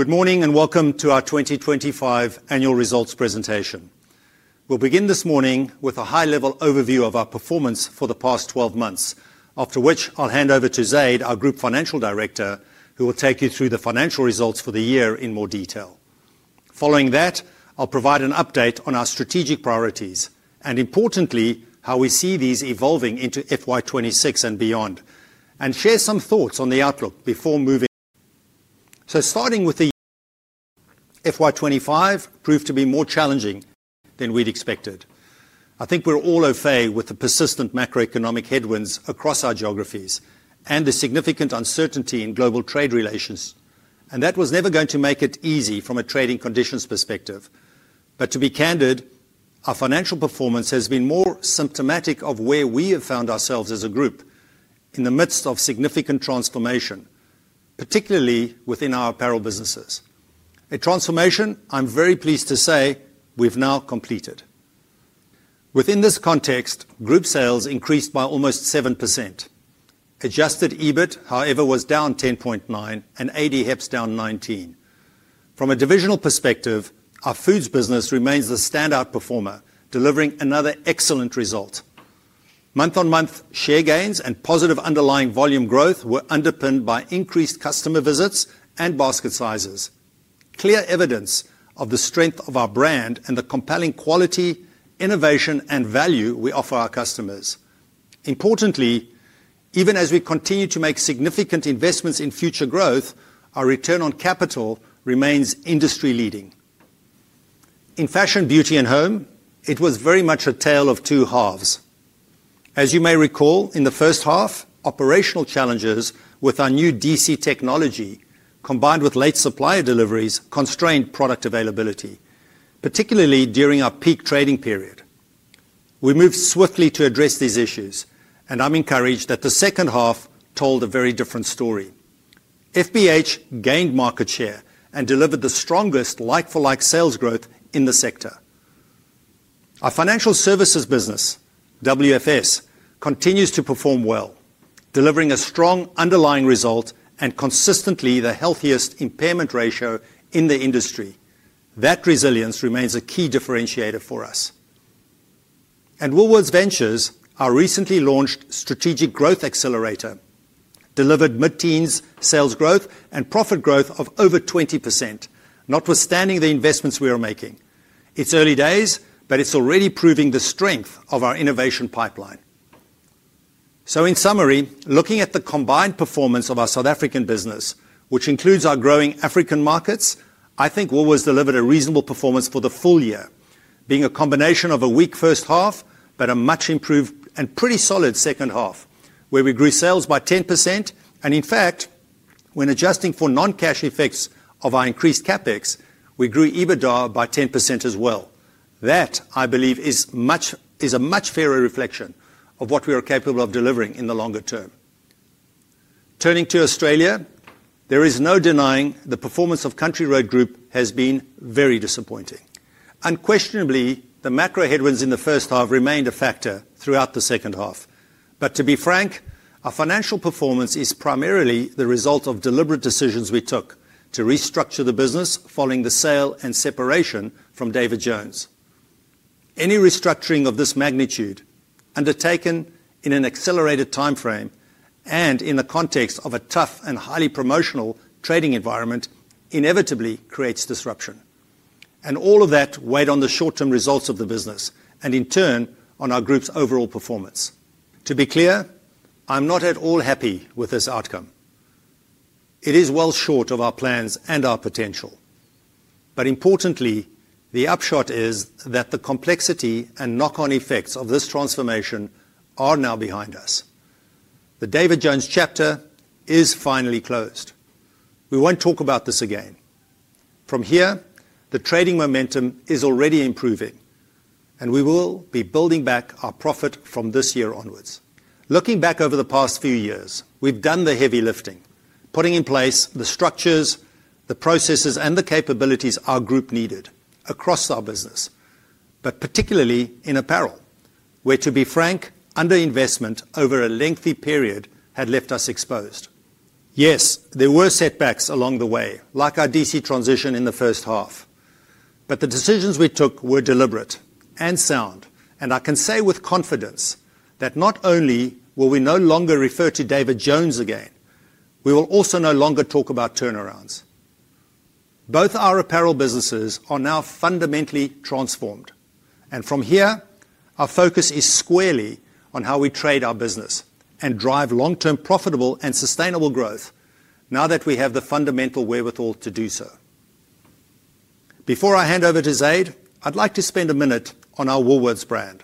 Good morning and welcome to our 2025 Annual Results Presentation. We'll begin this morning with a high-level overview of our performance for the past 12 months, after which I'll hand over to Zaid, our Group Financial Director, who will take you through the financial results for the year in more detail. Following that, I'll provide an update on our strategic priorities, and importantly, how we see these evolving into FY 2026 and beyond, and share some thoughts on the outlook before moving on. Starting with the year, FY 2025 proved to be more challenging than we'd expected. I think we're all au fait with the persistent macroeconomic headwinds across our geographies and the significant uncertainty in global trade relations, and that was never going to make it easy from a trading conditions perspective. To be candid, our financial performance has been more symptomatic of where we have found ourselves as a group in the midst of significant transformation, particularly within our apparel businesses. A transformation, I'm very pleased to say, we've now completed. Within this context, group sales increased by almost 7%. Adjusted EBIT, however, was down 10.9% and ADHEPS down 19%. From a divisional perspective, our Foods business remains the standout performer, delivering another excellent result. Month-on-month share gains and positive underlying volume growth were underpinned by increased customer visits and basket sizes. Clear evidence of the strength of our brand and the compelling quality, innovation, and value we offer our customers. Importantly, even as we continue to make significant investments in future growth, our return on capital remains industry-leading. In Fashion, Beauty, and Home, it was very much a tale of two halves. As you may recall, in the first half, operational challenges with our new DC technology, combined with late supplier deliveries, constrained product availability, particularly during our peak trading period. We moved swiftly to address these issues, and I'm encouraged that the second half told a very different story. FBH gained market share and delivered the strongest like-for-like sales growth in the sector. Our Financial Services business, WFS, continues to perform well, delivering a strong underlying result and consistently the healthiest impairment ratio in the industry. That resilience remains a key differentiator for us. Woolworths Ventures, our recently launched strategic growth accelerator, delivered mid-teens sales growth and profit growth of over 20%, notwithstanding the investments we are making. It's early days, but it's already proving the strength of our innovation pipeline. In summary, looking at the combined performance of our South African business, which includes our growing African markets, I think Woolworths delivered a reasonable performance for the full year, being a combination of a weak first half but a much improved and pretty solid second half, where we grew sales by 10% and, in fact, when adjusting for non-cash effects of our increased CapEx, we grew EBITDA by 10% as well. That, I believe, is a much fairer reflection of what we are capable of delivering in the longer term. Turning to Australia, there is no denying the performance of Country Road Group has been very disappointing. Unquestionably, the macro headwinds in the first half remained a factor throughout the second half. To be frank, our financial performance is primarily the result of deliberate decisions we took to restructure the business following the sale and separation from David Jones. Any restructuring of this magnitude, undertaken in an accelerated timeframe and in the context of a tough and highly promotional trading environment, inevitably creates disruption. All of that weighed on the short-term results of the business and, in turn, on our group's overall performance. To be clear, I'm not at all happy with this outcome. It is well short of our plans and our potential. Importantly, the upshot is that the complexity and knock-on effects of this transformation are now behind us. The David Jones chapter is finally closed. We won't talk about this again. From here, the trading momentum is already improving, and we will be building back our profit from this year onwards. Looking back over the past few years, we've done the heavy lifting, putting in place the structures, the processes, and the capabilities our group needed across our business, particularly in apparel, where, to be frank, underinvestment over a lengthy period had left us exposed. There were setbacks along the way, like our DC transition in the first half. The decisions we took were deliberate and sound, and I can say with confidence that not only will we no longer refer to David Jones again, we will also no longer talk about turnarounds. Both our apparel businesses are now fundamentally transformed, and from here, our focus is squarely on how we trade our business and drive long-term profitable and sustainable growth, now that we have the fundamental wherewithal to do so. Before I hand over to Zaid, I'd like to spend a minute on our Woolworths brand.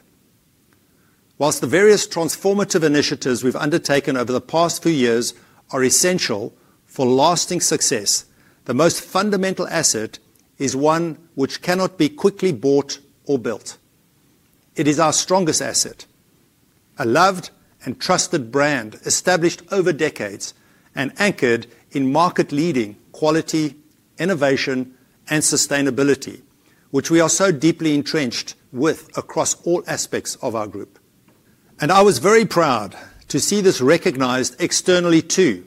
Whilst the various transformative initiatives we've undertaken over the past few years are essential for lasting success, the most fundamental asset is one which cannot be quickly bought or built. It is our strongest asset, a loved and trusted brand established over decades and anchored in market-leading quality, innovation, and sustainability, which we are so deeply entrenched with across all aspects of our group. I was very proud to see this recognized externally too,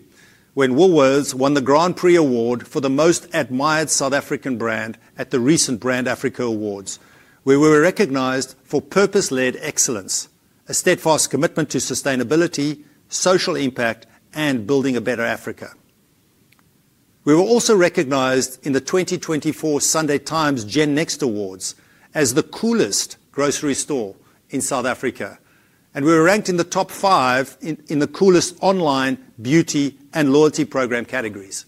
when Woolworths won the Grand Prix Award for the Most Admired South African Brand at the recent Brand Africa Awards, where we were recognized for purpose-led excellence, a steadfast commitment to sustainability, social impact, and building a better Africa. We were also recognized in the 2024 Sunday Times Gen Next Awards as the coolest grocery store in South Africa, and we were ranked in the top five in the coolest online beauty and loyalty program categories.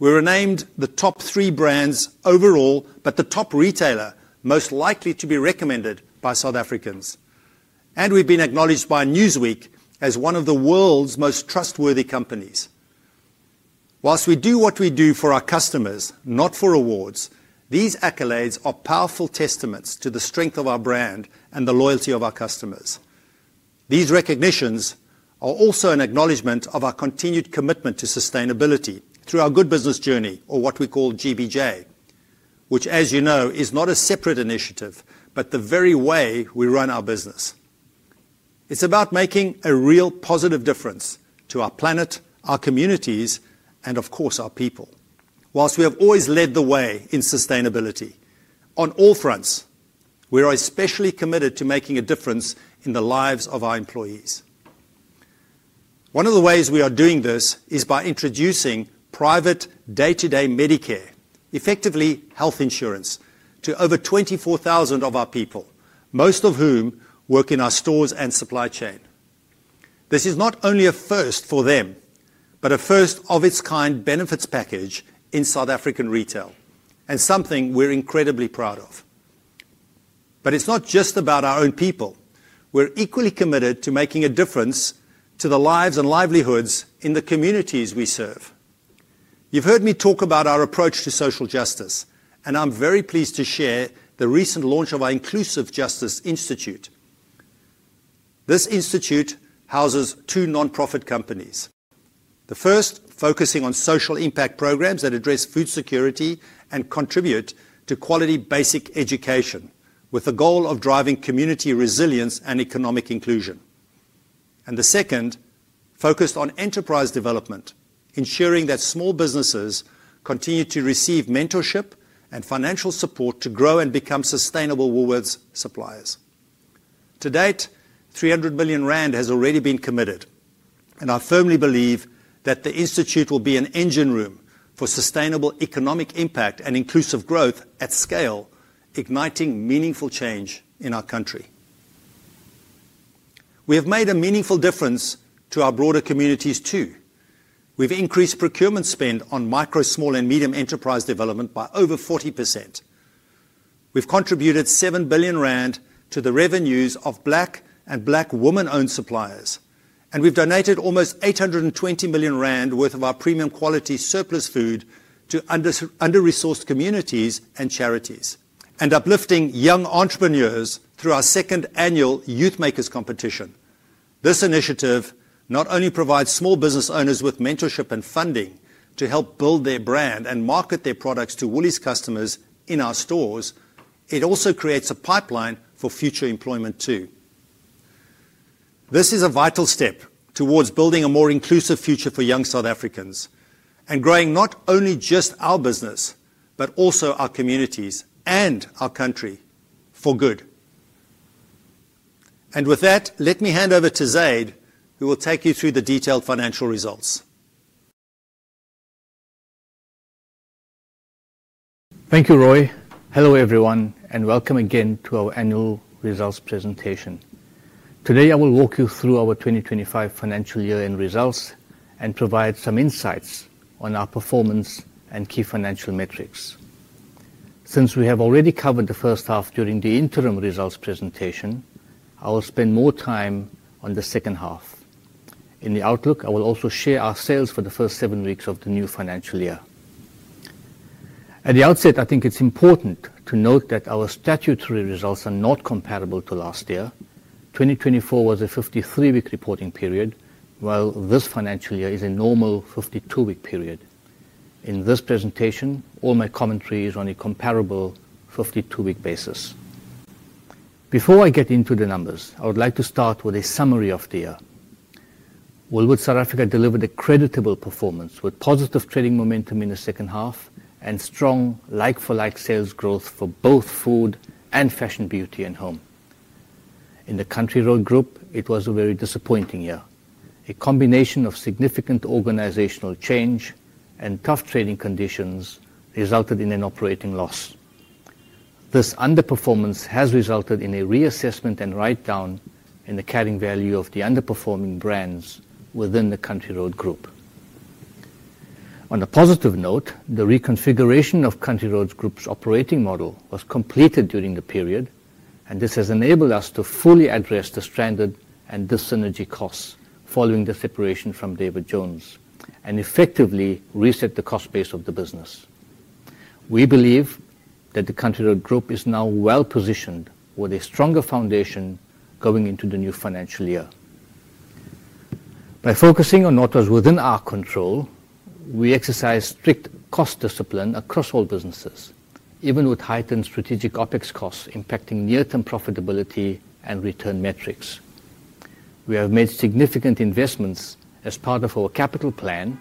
We were named the top three brands overall, but the top retailer most likely to be recommended by South Africans. We've been acknowledged by Newsweek as one of the world's most trustworthy companies. Whilst we do what we do for our customers, not for awards, these accolades are powerful testaments to the strength of our brand and the loyalty of our customers. These recognitions are also an acknowledgement of our continued commitment to sustainability through our Good Business Journey, or what we call GBJ, which, as you know, is not a separate initiative, but the very way we run our business. It's about making a real positive difference to our planet, our communities, and of course, our people. Whilst we have always led the way in sustainability on all fronts, we are especially committed to making a difference in the lives of our employees. One of the ways we are doing this is by introducing private day-to-day Medicare, effectively health insurance, to over 24,000 of our people, most of whom work in our stores and supply chain. This is not only a first for them, but a first-of-its-kind benefits package in South African retail, and something we're incredibly proud of. It's not just about our own people. We're equally committed to making a difference to the lives and livelihoods in the communities we serve. You've heard me talk about our approach to social justice, and I'm very pleased to share the recent launch of our Inclusive Justice Institute. This institute houses two nonprofit companies. The first focusing on social impact programs that address food security and contribute to quality basic education, with the goal of driving community resilience and economic inclusion. The second focused on enterprise development, ensuring that small businesses continue to receive mentorship and financial support to grow and become sustainable Woolworths suppliers. To date, 300 million rand has already been committed, and I firmly believe that the institute will be an engine room for sustainable economic impact and inclusive growth at scale, igniting meaningful change in our country. We have made a meaningful difference to our broader communities too. We've increased procurement spend on micro, small, and medium enterprise development by over 40%. We've contributed 7 billion rand to the revenues of Black and Black woman-owned suppliers, and we've donated almost 820 million rand worth of our premium quality surplus food to under-resourced communities and charities, and uplifting young entrepreneurs through our second annual Youth Makers competition. This initiative not only provides small business owners with mentorship and funding to help build their brand and market their products to Woolies customers in our stores, it also creates a pipeline for future employment too. This is a vital step towards building a more inclusive future for young South Africans and growing not only just our business, but also our communities and our country for good. With that, let me hand over to Zaid, who will take you through the detailed financial results. Thank you, Roy. Hello everyone, and welcome again to our annual results presentation. Today, I will walk you through our 2025 financial year-end results and provide some insights on our performance and key financial metrics. Since we have already covered the first half during the interim results presentation, I will spend more time on the second half. In the outlook, I will also share our sales for the first seven weeks of the new financial year. At the outset, I think it's important to note that our statutory results are not comparable to last year. 2024 was a 53-week reporting period, while this financial year is a normal 52-week period. In this presentation, all my commentary is on a comparable 52-week basis. Before I get into the numbers, I would like to start with a summary of the year. Woolworths South Africa delivered a creditable performance with positive trading momentum in the second half and strong like-for-like sales growth for both Food and Fashion, Beauty, and Home. In the Country Road Group, it was a very disappointing year. A combination of significant organizational change and tough trading conditions resulted in an operating loss. This underperformance has resulted in a reassessment and write-down in the carrying value of the underperforming brands within the Country Road Group. On a positive note, the reconfiguration of Country Road Group's operating model was completed during the period, and this has enabled us to fully address the stranded and dyssynergy costs following the separation from David Jones and effectively reset the cost base of the business. We believe that the Country Road Group is now well positioned with a stronger foundation going into the new financial year. By focusing on what was within our control, we exercised strict cost discipline across all businesses, even with heightened strategic OpEx costs impacting near-term profitability and return metrics. We have made significant investments as part of our capital plan,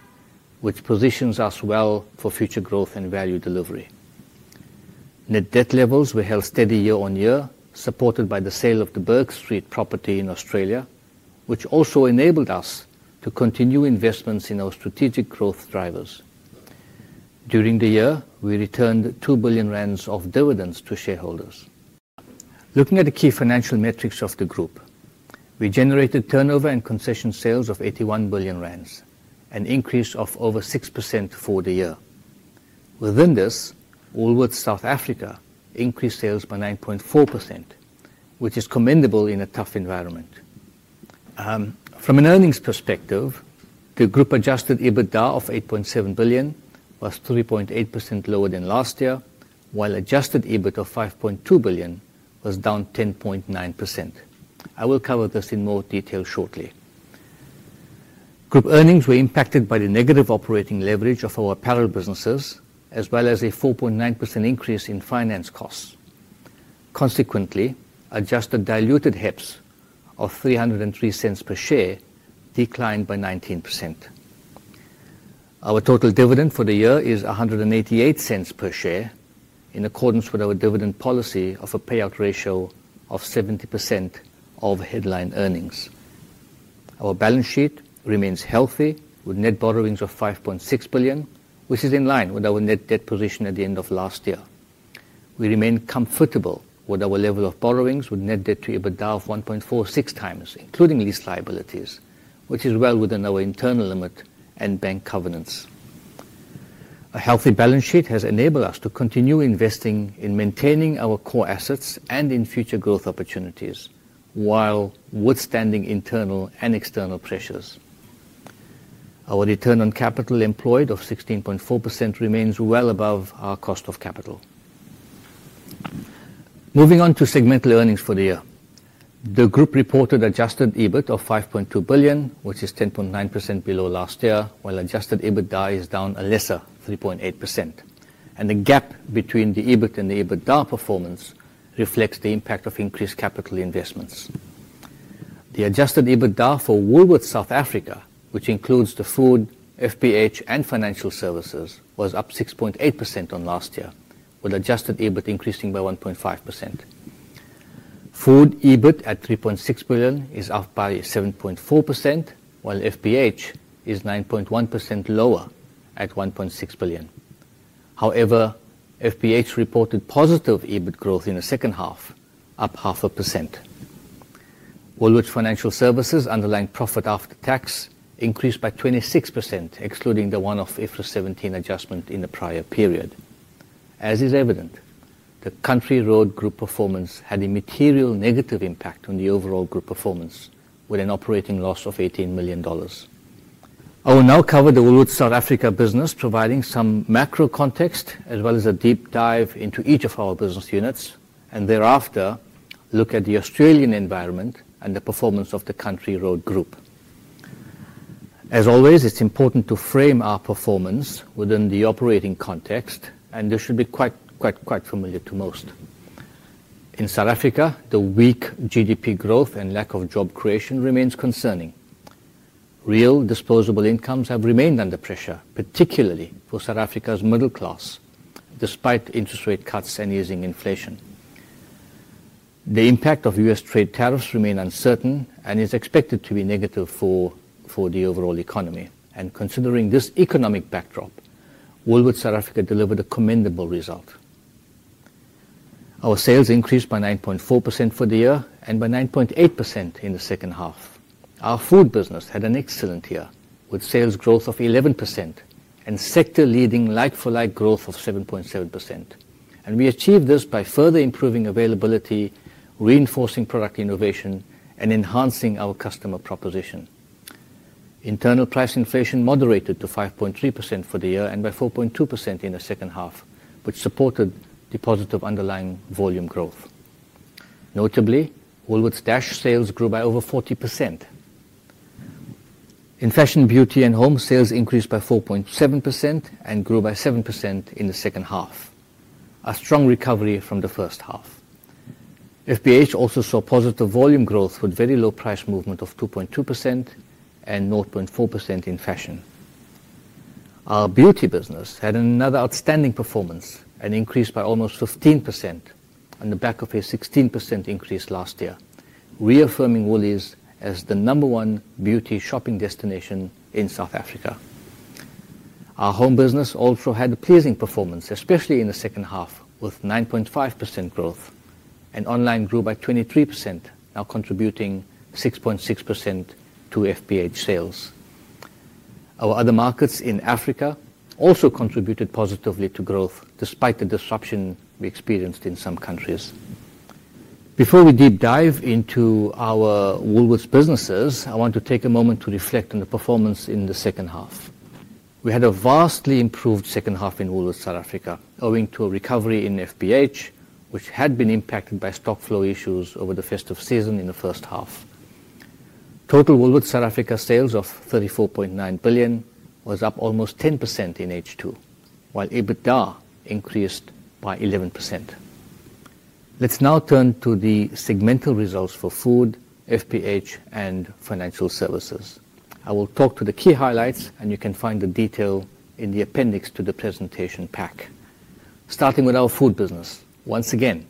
which positions us well for future growth and value delivery. Net debt levels were held steady year on year, supported by the sale of the Berg Street property in Australia, which also enabled us to continue investments in our strategic growth drivers. During the year, we returned 2 billion rand of dividends to shareholders. Looking at the key financial metrics of the group, we generated turnover and concession sales of 81 billion rand, an increase of over 6% for the year. Within this, Woolworths South Africa increased sales by 9.4%, which is commendable in a tough environment. From an earnings perspective, the group adjusted EBITDA of 8.7 billion was 3.8% lower than last year, while adjusted EBIT of 5.2 billion was down 10.9%. I will cover this in more detail shortly. Group earnings were impacted by the negative operating leverage of our apparel businesses, as well as a 4.9% increase in finance costs. Consequently, adjusted diluted HEPS of 3.03 per share declined by 19%. Our total dividend for the year is 1.88 per share, in accordance with our dividend policy of a payout ratio of 70% of headline earnings. Our balance sheet remains healthy with net borrowings of 5.6 billion, which is in line with our net debt position at the end of last year. We remain comfortable with our level of borrowings with net debt to EBITDA of 1.46 x, including lease liabilities, which is well within our internal limit and bank covenants. A healthy balance sheet has enabled us to continue investing in maintaining our core assets and in future growth opportunities, while withstanding internal and external pressures. Our return on capital employed of 16.4% remains well above our cost of capital. Moving on to segmental earnings for the year, the group reported adjusted EBIT of 5.2 billion, which is 10.9% below last year, while adjusted EBITDA is down a lesser 3.8%. The gap between the EBIT and the EBITDA performance reflects the impact of increased capital investments. The adjusted EBITDA for Woolworths South Africa, which includes the Food, FBH, and Financial Services, was up 6.8% on last year, with adjusted EBIT increasing by 1.5%. Food EBIT at 3.6 billion is up by 7.4%, while FBH is 9.1% lower at 1.6 billion. However, FBH reported positive EBIT growth in the second half, up 0.5%. Woolworths Financial Services underlying profit after tax increased by 26%, excluding the one-off IFRS 17 adjustment in the prior period. As is evident, the Country Road Group performance had a material negative impact on the overall group performance, with an operating loss of AUD 18 million. I will now cover the Woolworths South Africa business, providing some macro context, as well as a deep dive into each of our business units, and thereafter look at the Australian environment and the performance of the Country Road Group. As always, it's important to frame our performance within the operating context, and this should be quite, quite, quite familiar to most. In South Africa, the weak GDP growth and lack of job creation remains concerning. Real disposable incomes have remained under pressure, particularly for South Africa's middle class, despite interest rate cuts and easing inflation. The impact of U.S. trade tariffs remains uncertain and is expected to be negative for the overall economy. Considering this economic backdrop, Woolworths South Africa delivered a commendable result. Our sales increased by 9.4% for the year and by 9.8% in the second half. Our Food business had an excellent year, with sales growth of 11% and sector-leading like-for-like growth of 7.7%. We achieved this by further improving availability, reinforcing product innovation, and enhancing our customer proposition. Internal price inflation moderated to 5.3% for the year and by 4.2% in the second half, which supported the positive underlying volume growth. Notably, Woolworths Dash sales grew by over 40%. In Fashion, Beauty, and Home, sales increased by 4.7% and grew by 7% in the second half, a strong recovery from the first half. FBH also saw positive volume growth with very low price movement of 2.2% and 0.4% in fashion. Our beauty business had another outstanding performance and increased by almost 15% on the back of a 16% increase last year, reaffirming Woolies as the number one beauty shopping destination in South Africa. Our Home business also had a pleasing performance, especially in the second half, with 9.5% growth and online grew by 23%, now contributing 6.6% to FBH sales. Our other markets in Africa also contributed positively to growth, despite the disruption we experienced in some countries. Before we deep dive into our Woolworths businesses, I want to take a moment to reflect on the performance in the second half. We had a vastly improved second half in Woolworths South Africa, owing to a recovery in FBH, which had been impacted by stock flow issues over the festive season in the first half. Total Woolworths South Africa sales of 34.9 billion was up almost 10% in H2, while EBITDA increased by 11%. Let's now turn to the segmental results for Food, FBH, and Financial Services. I will talk to the key highlights, and you can find the detail in the appendix to the presentation pack. Starting with our ood business, once again,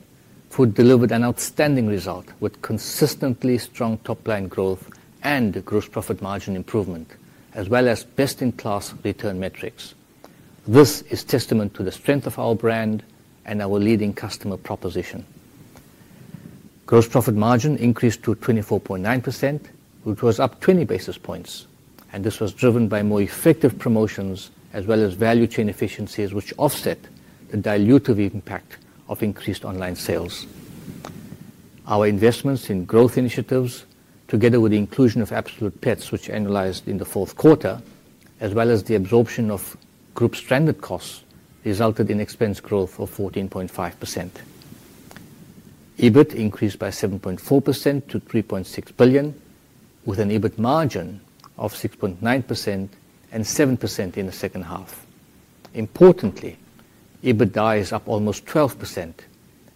Food delivered an outstanding result with consistently strong top-line growth and gross profit margin improvement, as well as best-in-class return metrics. This is a testament to the strength of our brand and our leading customer proposition. Gross profit margin increased to 24.9%, which was up 20 basis points, and this was driven by more effective promotions, as well as value chain efficiencies, which offset the diluted impact of increased online sales. Our investments in growth initiatives, together with the inclusion of Absolute Pets, which annualized in the fourth quarter, as well as the absorption of group stranded costs, resulted in expense growth of 14.5%. EBIT increased by 7.4% to 3.6 billion, with an EBIT margin of 6.9% and 7% in the second half. Importantly, EBITDA is up almost 12%,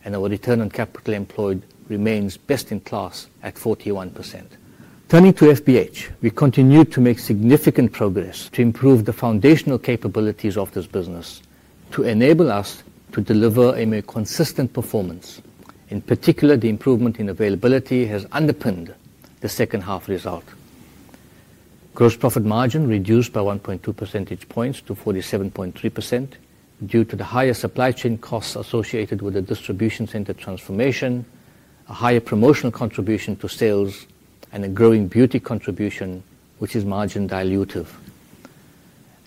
and our return on capital employed remains best-in-class at 41%. Turning to FBH, we continue to make significant progress to improve the foundational capabilities of this business to enable us to deliver a more consistent performance. In particular, the improvement in availability has underpinned the second half result. Gross profit margin reduced by 1.2 percentage points to 47.3% due to the higher supply chain costs associated with the distribution center transformation, a higher promotional contribution to sales, and a growing beauty contribution, which is margin dilutive.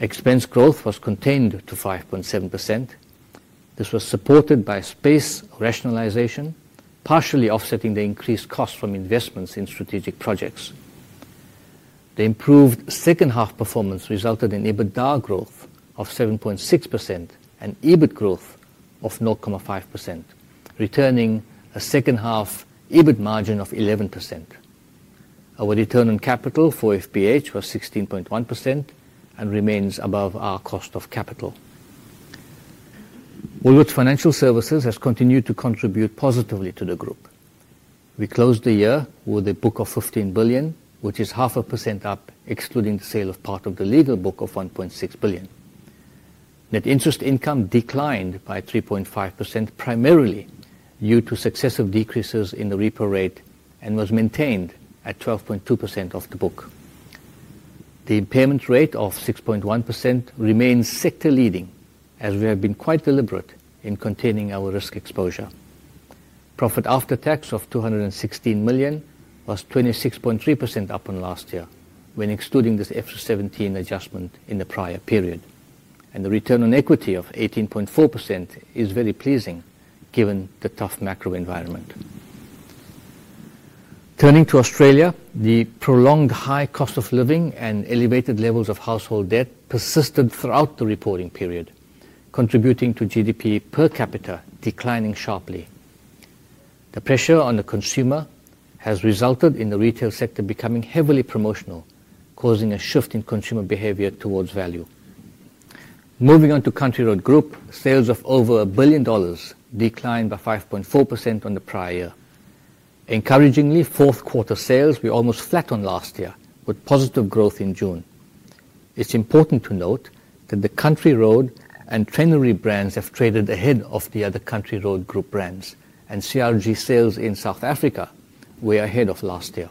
Expense growth was contained to 5.7%. This was supported by space rationalization, partially offsetting the increased cost from investments in strategic projects. The improved second half performance resulted in EBITDA growth of 7.6% and EBIT growth of 0.5%, returning a second half EBIT margin of 11%. Our return on capital for FBH was 16.1% and remains above our cost of capital. Woolworths Financial Services has continued to contribute positively to the group. We closed the year with a book of 15 billion, which is 0.5% up, excluding the sale of part of the legal book of 1.6 billion. Net interest income declined by 3.5% primarily due to successive decreases in the repo rate and was maintained at 12.2% of the book. The impairment rate of 6.1% remains sector-leading, as we have been quite deliberate in containing our risk exposure. Profit after tax of 216 million was 26.3% up on last year, when excluding this FY 2017 adjustment in the prior period. The return on equity of 18.4% is very pleasing given the tough macro environment. Turning to Australia, the prolonged high cost of living and elevated levels of household debt persisted throughout the reporting period, contributing to GDP per capita declining sharply. The pressure on the consumer has resulted in the retail sector becoming heavily promotional, causing a shift in consumer behavior towards value. Moving on to Country Road Group, sales of over 1 billion dollars declined by 5.4% on the prior year. Encouragingly, fourth quarter sales were almost flat on last year, with positive growth in June. It's important to note that the Country Road and Fenrir brands have traded ahead of the other Country Road Group brands, and CRG sales in South Africa were ahead of last year.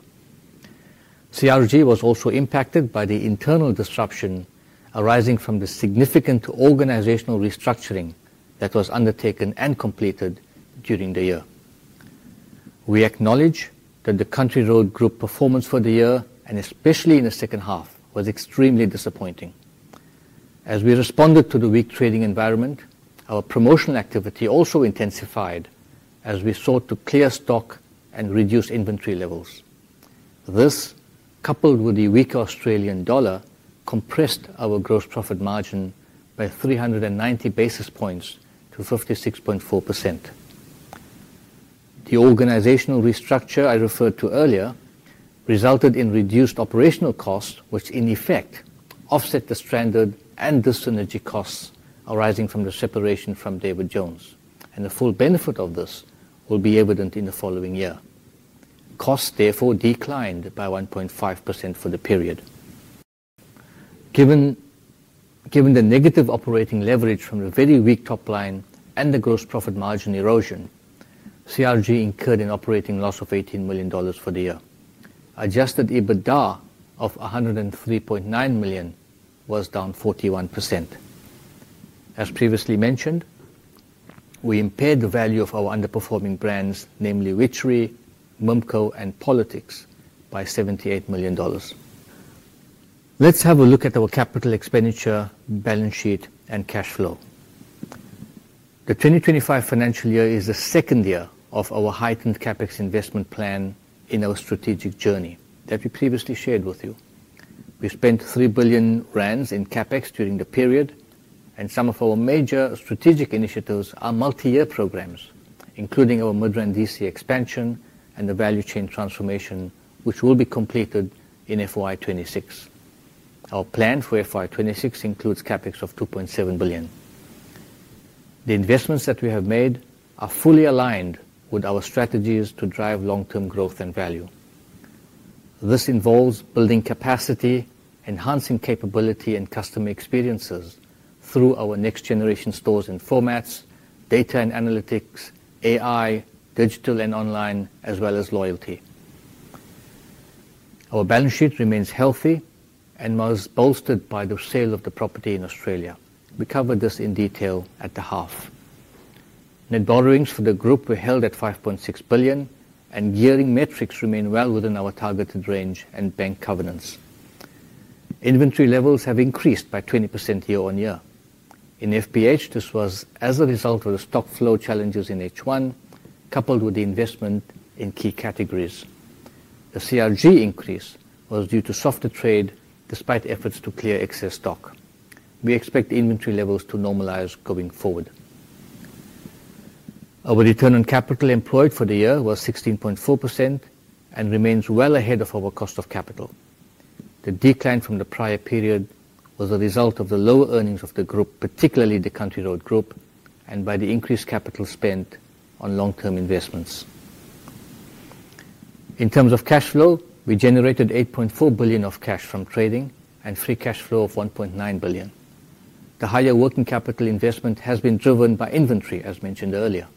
CRG was also impacted by the internal disruption arising from the significant organizational restructuring that was undertaken and completed during the year. We acknowledge that the Country Road Group performance for the year, and especially in the second half, was extremely disappointing. As we responded to the weak trading environment, our promotional activity also intensified as we sought to clear stock and reduce inventory levels. This, coupled with the weaker Australian dollar, compressed our gross profit margin by 390 basis points to 56.4%. The organizational restructure I referred to earlier resulted in reduced operational costs, which in effect offset the stranded and dissynergy costs arising from the separation from David Jones. The full benefit of this will be evident in the following year. Costs therefore declined by 1.5% for the period. Given the negative operating leverage from the very weak top line and the gross profit margin erosion, CRG incurred an operating loss of 18 million dollars for the year. Adjusted EBITDA of 103.9 million was down 41%. As previously mentioned, we impaired the value of our underperforming brands, namely Witchery, Mimco, and Politix, by 78 million dollars. Let's have a look at our capital expenditure, balance sheet, and cash flow. The 2025 financial year is the second year of our heightened CapEx investment plan in our strategic journey that we previously shared with you. We spent 3 billion rand in CapEx during the period, and some of our major strategic initiatives are multi-year programs, including our Midrand DC expansion and the value chain transformation, which will be completed in FY 2026. Our plan for FY 2026 includes CapEx of 2.7 billion. The investments that we have made are fully aligned with our strategies to drive long-term growth and value. This involves building capacity, enhancing capability, and customer experiences through our next-generation stores and formats, data and analytics, AI, digital and online, as well as loyalty. Our balance sheet remains healthy and was bolstered by the sale of the property in Australia. We covered this in detail at the half. Net borrowings for the group were held at 5.6 billion, and gearing metrics remain well within our targeted range and bank covenants. Inventory levels have increased by 20% year on year. In FBH, this was as a result of the stock flow challenges in H1, coupled with the investment in key categories. The CRG increase was due to softer trade, despite efforts to clear excess stock. We expect inventory levels to normalize going forward. Our return on capital employed for the year was 16.4% and remains well ahead of our cost of capital. The decline from the prior period was a result of the lower earnings of the group, particularly the Country Road Group, and by the increased capital spent on long-term investments. In terms of cash flow, we generated 8.4 billion of cash from trading and free cash flow of 1.9 billion. The higher working capital investment has been driven by inventory, as mentioned earlier.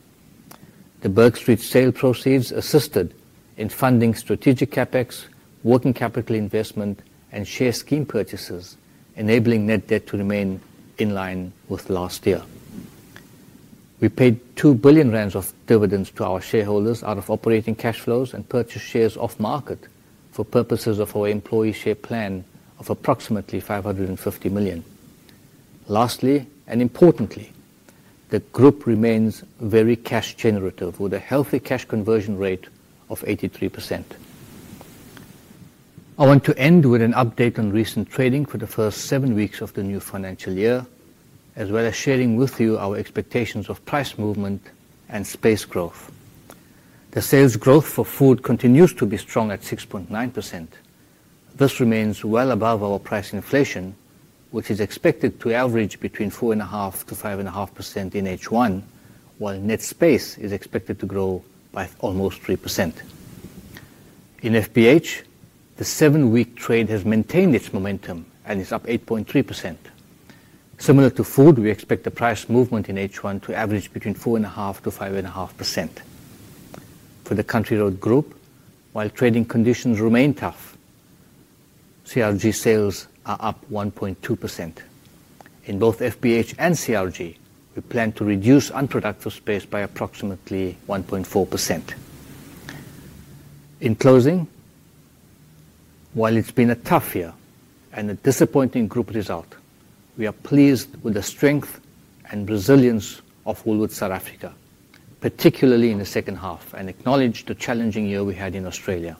The Berg Street sale proceeds assisted in funding strategic CapEx, working capital investment, and share scheme purchases, enabling net debt to remain in line with last year. We paid 2 billion rand of dividends to our shareholders out of operating cash flows and purchased shares off-market for purposes of our employee share plan of approximately 550 million. Lastly, and importantly, the group remains very cash generative with a healthy cash conversion rate of 83%. I want to end with an update on recent trading for the first seven weeks of the new financial year, as well as sharing with you our expectations of price movement and space growth. The sales growth for Food continues to be strong at 6.9%. This remains well above our price inflation, which is expected to average between 4.5%- 5.5% in H1, while net space is expected to grow by almost 3%. In FBH, the seven-week trade has maintained its momentum and is up 8.3%. Similar to Food, we expect the price movement in H1 to average between 4.5%- 5.5%. For the Country Road Group, while trading conditions remain tough, CRG sales are up 1.2%. In both FBH and CRG, we plan to reduce unproductive space by approximately 1.4%. In closing, while it's been a tough year and a disappointing group result, we are pleased with the strength and resilience of Woolworths South Africa, particularly in the second half, and acknowledge the challenging year we had in Australia.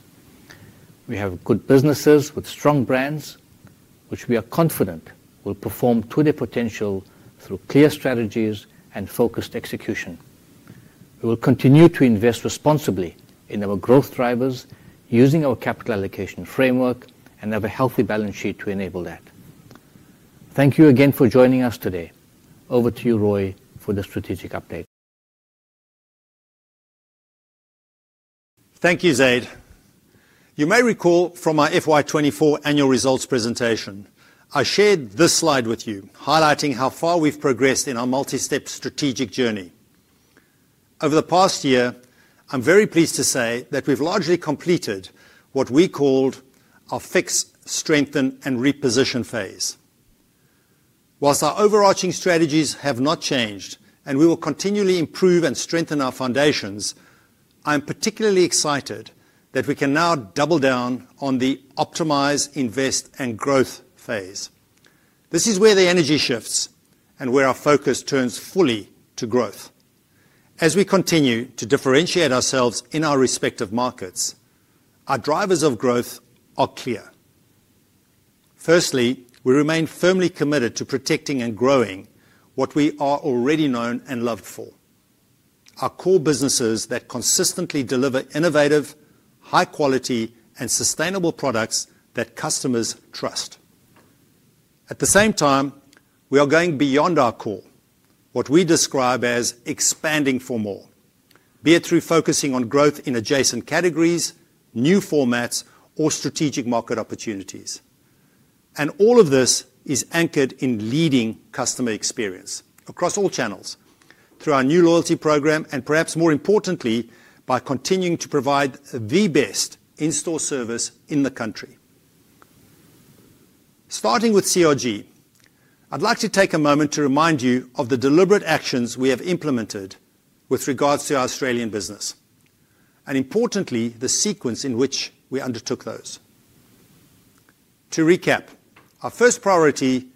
We have good businesses with strong brands, which we are confident will perform to their potential through clear strategies and focused execution. We will continue to invest responsibly in our growth drivers, using our capital allocation framework, and have a healthy balance sheet to enable that. Thank you again for joining us today. Over to you, Roy, for the strategic update. Thank you, Zaid. You may recall from our FY 2024 annual results presentation, I shared this slide with you, highlighting how far we've progressed in our multi-step strategic journey. Over the past year, I'm very pleased to say that we've largely completed what we called our fix, strengthen, and reposition phase. Whilst our overarching strategies have not changed and we will continually improve and strengthen our foundations, I am particularly excited that we can now double down on the optimize, invest, and growth phase. This is where the energy shifts and where our focus turns fully to growth. As we continue to differentiate ourselves in our respective markets, our drivers of growth are clear. Firstly, we remain firmly committed to protecting and growing what we are already known and loved for: our core businesses that consistently deliver innovative, high-quality, and sustainable products that customers trust. At the same time, we are going beyond our core, what we describe as expanding for more, be it through focusing on growth in adjacent categories, new formats, or strategic market opportunities. All of this is anchored in leading customer experience across all channels, through our new loyalty program, and perhaps more importantly, by continuing to provide the best in-store service in the country. Starting with CR G, I'd like to take a moment to remind you of the deliberate actions we have implemented with regards to our Australian business, and importantly, the sequence in which we undertook those. To recap, our first priority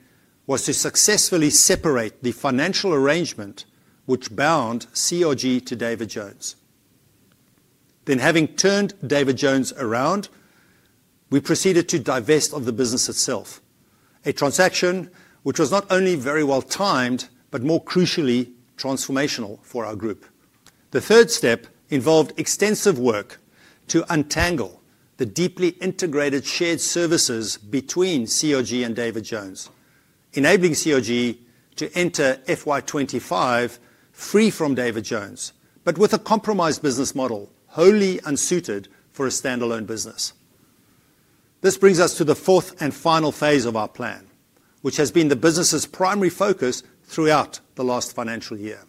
was to successfully separate the financial arrangement which bound C R G to David Jones. Having turned David Jones around, we proceeded to divest of the business itself, a transaction which was not only very well timed, but more crucially transformational for our group. The third step involved extensive work to untangle the deeply integrated shared services between CR G and David Jones, enabling CR G to enter FY 2025 free from David Jones, but with a compromised business model wholly unsuited for a standalone business. This brings us to the fourth and final phase of our plan, which has been the business's primary focus throughout the last financial year,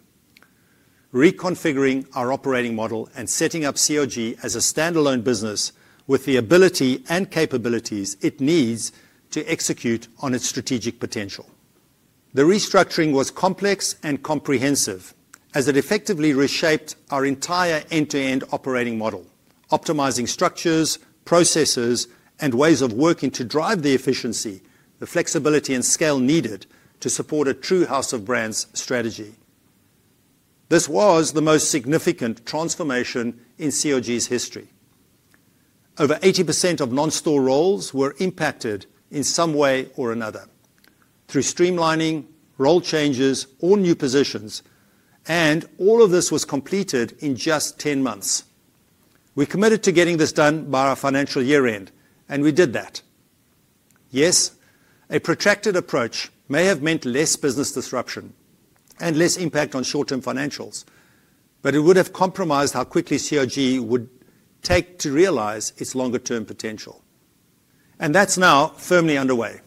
reconfiguring our operating model and setting up CR G as a standalone business with the ability and capabilities it needs to execute on its strategic potential. The restructuring was complex and comprehensive, as it effectively reshaped our entire end-to-end operating model, optimizing structures, processes, and ways of working to drive the efficiency, the flexibility, and scale needed to support a true house of brands strategy. This was the most significant transformation in CR G's history. Over 80% of non-store roles were impacted in some way or another through streamlining, role changes, or new positions, and all of this was completed in just 10 months. We committed to getting this done by our financial year-end, and we did that. Yes, a protracted approach may have meant less business disruption and less impact on short-term financials, but it would have compromised how quickly CR G would take to realize its longer-term potential. That is now firmly underway.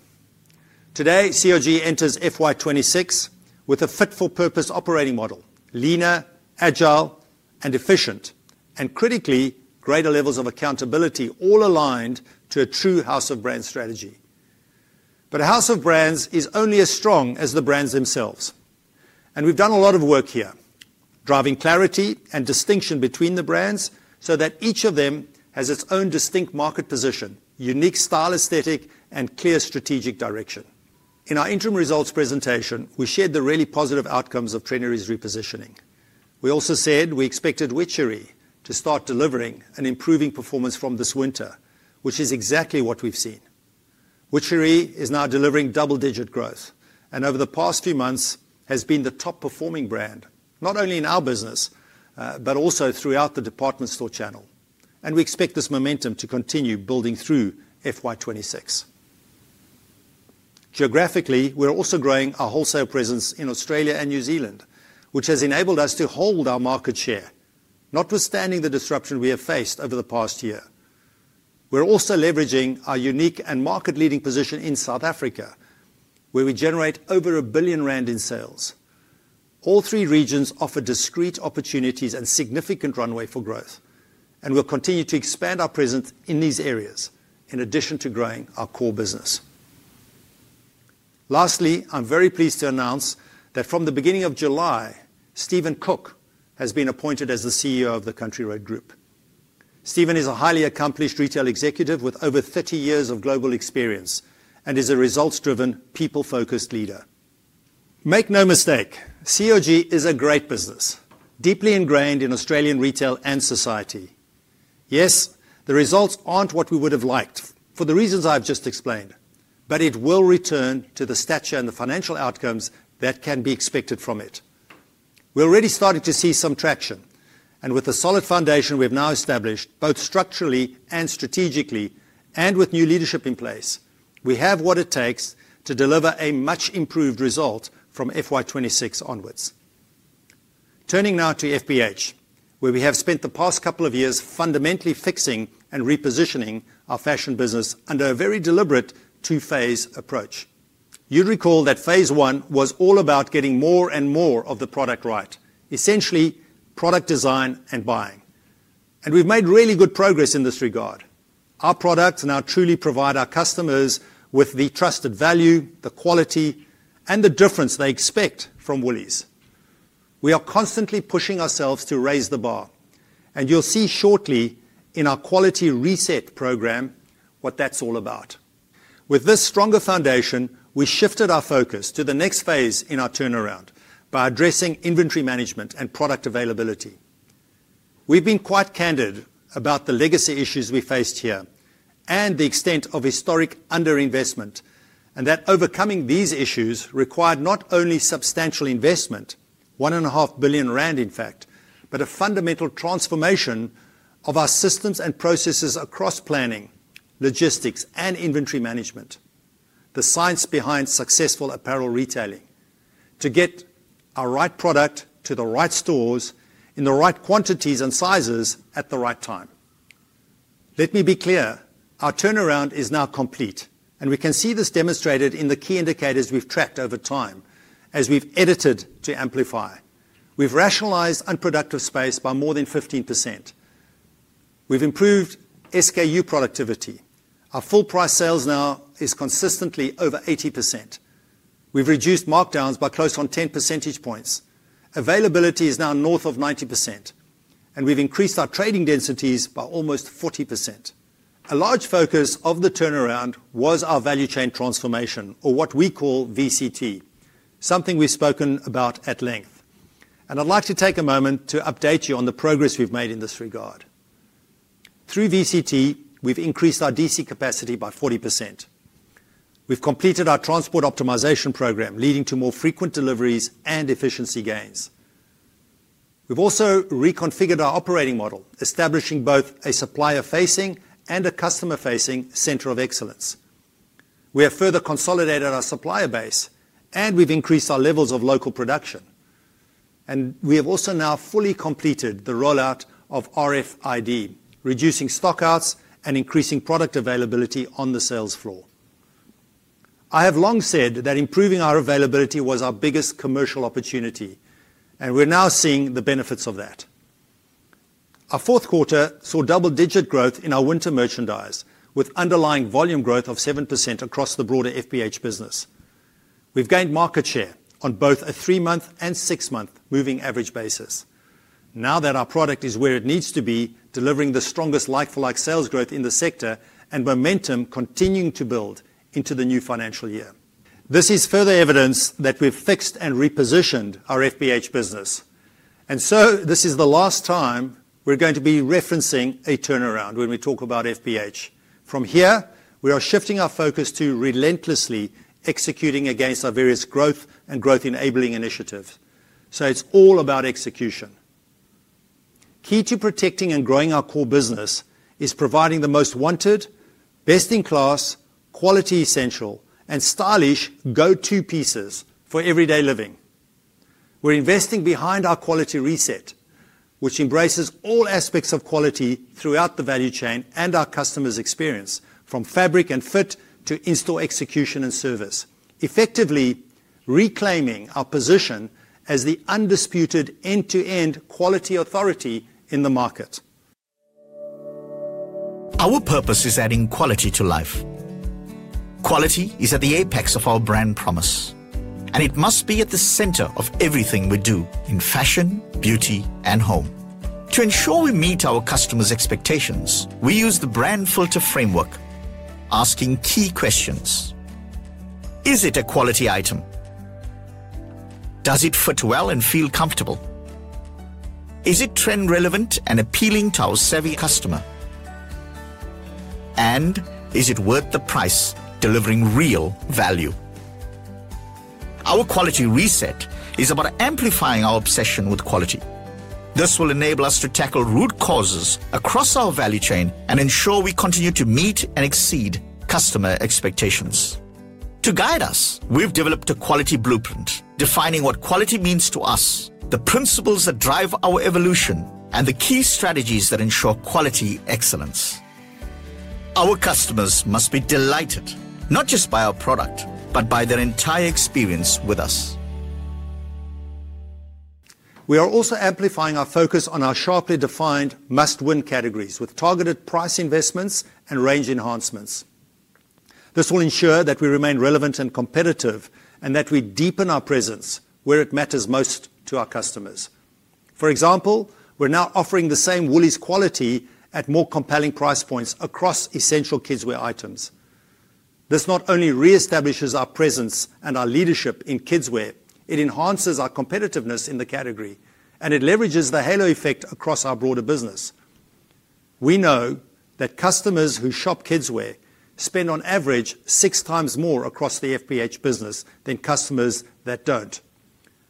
Today, CR G enters FY 2026 with a fit-for-purpose operating model, leaner, ahgile, and efficient, and critically, greater levels of accountability, all aligned to a true house of brands strategy. A house of brands is only as strong as the brands themselves. We have done a lot of work here, driving clarity and distinction between the brands so that each of them has its own distinct market position, unique style, aesthetic, and clear strategic direction. In our interim results presentation, we shared the really positive outcomes of Tenery's repositioning. We also said we expected Witchery to start delivering an improving performance from this winter, which is exactly what we've seen. Witchery is now delivering double-digit growth and over the past few months has been the top-performing brand, not only in our business, but also throughout the department store channel. We expect this momentum to continue building through FY 2026. Geographically, we are also growing our wholesale presence in Australia and New Zealand, which has enabled us to hold our market share, notwithstanding the disruption we have faced over the past year. We are also leveraging our unique and market-leading position in South Africa, where we generate over 1 billion rand in sales. All three regions offer discrete opportunities and significant runway for growth, and we will continue to expand our presence in these areas, in addition to growing our core business. Lastly, I'm very pleased to announce that from the beginning of July, Steven Cook has been appointed as the CEO of Country Road Group. Steven is a highly accomplished retail executive with over 30 years of global experience and is a results-driven, people-focused leader. Make no mistake, CRG is a great business, deeply ingrained in Australian retail and society. Yes, the results aren't what we would have liked for the reasons I've just explained, but it will return to the stature and the financial outcomes that can be expected from it. We're already starting to see some traction, and with a solid foundation we've now established, both structurally and strategically, and with new leadership in place, we have what it takes to deliver a much improved result from FY 2026 onwards. Turning now to FBH, where we have spent the past couple of years fundamentally fixing and repositioning our fashion business under a very deliberate two-phase approach. You'd recall that phase one was all about getting more and more of the product right, essentially product design and buying. We've made really good progress in this regard. Our products now truly provide our customers with the trusted value, the quality, and the difference they expect from Woolies. We are constantly pushing ourselves to raise the bar, and you'll see shortly in our quality reset program what that's all about. With this stronger foundation, we shifted our focus to the next phase in our turnaround by addressing inventory management and product availability. We've been quite candid about the legacy issues we faced here and the extent of historic underinvestment, and that overcoming these issues required not only substantial investment, 1.5 billion rand, in fact, but a fundamental transformation of our systems and processes across planning, logistics, and inventory management, the science behind successful apparel retailing, to get our right product to the right stores in the right quantities and sizes at the right time. Let me be clear, our turnaround is now complete, and we can see this demonstrated in the key indicators we've tracked over time as we've edited to amplify. We've rationalized unproductive space by more than 15%. We've improved SKU productivity. Our full price sales now are consistently over 80%. We've reduced markdowns by close on 10 percentage points. Availability is now north of 90%, and we've increased our trading densities by almost 40%. A large focus of the turnaround was our value chain transformation, or what we call VCT, something we've spoken about at length. I'd like to take a moment to update you on the progress we've made in this regard. Through VCT, we've increased our DC capacity by 40%. We've completed our transport optimization program, leading to more frequent deliveries and efficiency gains. We've also reconfigured our operating model, establishing both a supplier-facing and a customer-facing center of excellence. We have further consolidated our supplier base, and we've increased our levels of local production. We have also now fully completed the rollout of RFID, reducing stockouts and increasing product availability on the sales floor. I have long said that improving our availability was our biggest commercial opportunity, and we're now seeing the benefits of that. Our fourth quarter saw double-digit growth in our winter merchandise, with underlying volume growth of 7% across the broader F B H business. We've gained market share on both a three-month and six-month moving average basis, now that our product is where it needs to be, delivering the strongest like-for-like sales growth in the sector and momentum continuing to build into the new financial year. This is further evidence that we've fixed and repositioned our F B H business. This is the last time we're going to be referencing a turnaround when we talk about F B H. From here, we are shifting our focus to relentlessly executing against our various growth and growth-enabling initiatives. It's all about execution. Key to protecting and growing our core business is providing the most wanted, best-in-class, quality essential, and stylish go-to pieces for everyday living. We're investing behind our quality reset, which embraces all aspects of quality throughout the value chain and our customers' experience, from fabric and fit to in-store execution and service, effectively reclaiming our position as the undisputed end-to-end quality authority in the market. Our purpose is adding quality to life. Quality is at the apex of our brand promise, and it must be at the center of everything we do in Fashion, Beauty, and Home. To ensure we meet our customers' expectations, we use the brand filter framework, asking key questions. Is it a quality item? Does it fit well and feel comfortable? Is it trend-relevant and appealing to our savvy customer? Is it worth the price, delivering real value? Our quality reset is about amplifying our obsession with quality. This will enable us to tackle root causes across our value chain and ensure we continue to meet and exceed customer expectations. To guide us, we've developed a quality blueprint, defining what quality means to us, the principles that drive our evolution, and the key strategies that ensure quality excellence. Our customers must be delighted, not just by our product, but by their entire experience with us. We are also amplifying our focus on our sharply defined must-win categories with targeted price investments and range enhancements. This will ensure that we remain relevant and competitive and that we deepen our presence where it matters most to our customers. For example, we're now offering the same Woolies quality at more compelling price points across essential kidswear items. This not only reestablishes our presence and our leadership in kidswear, it enhances our competitiveness in the category, and it leverages the halo effect across our broader business. We know that customers who shop kidswear spend on average six times more across the FBH business than customers that don't.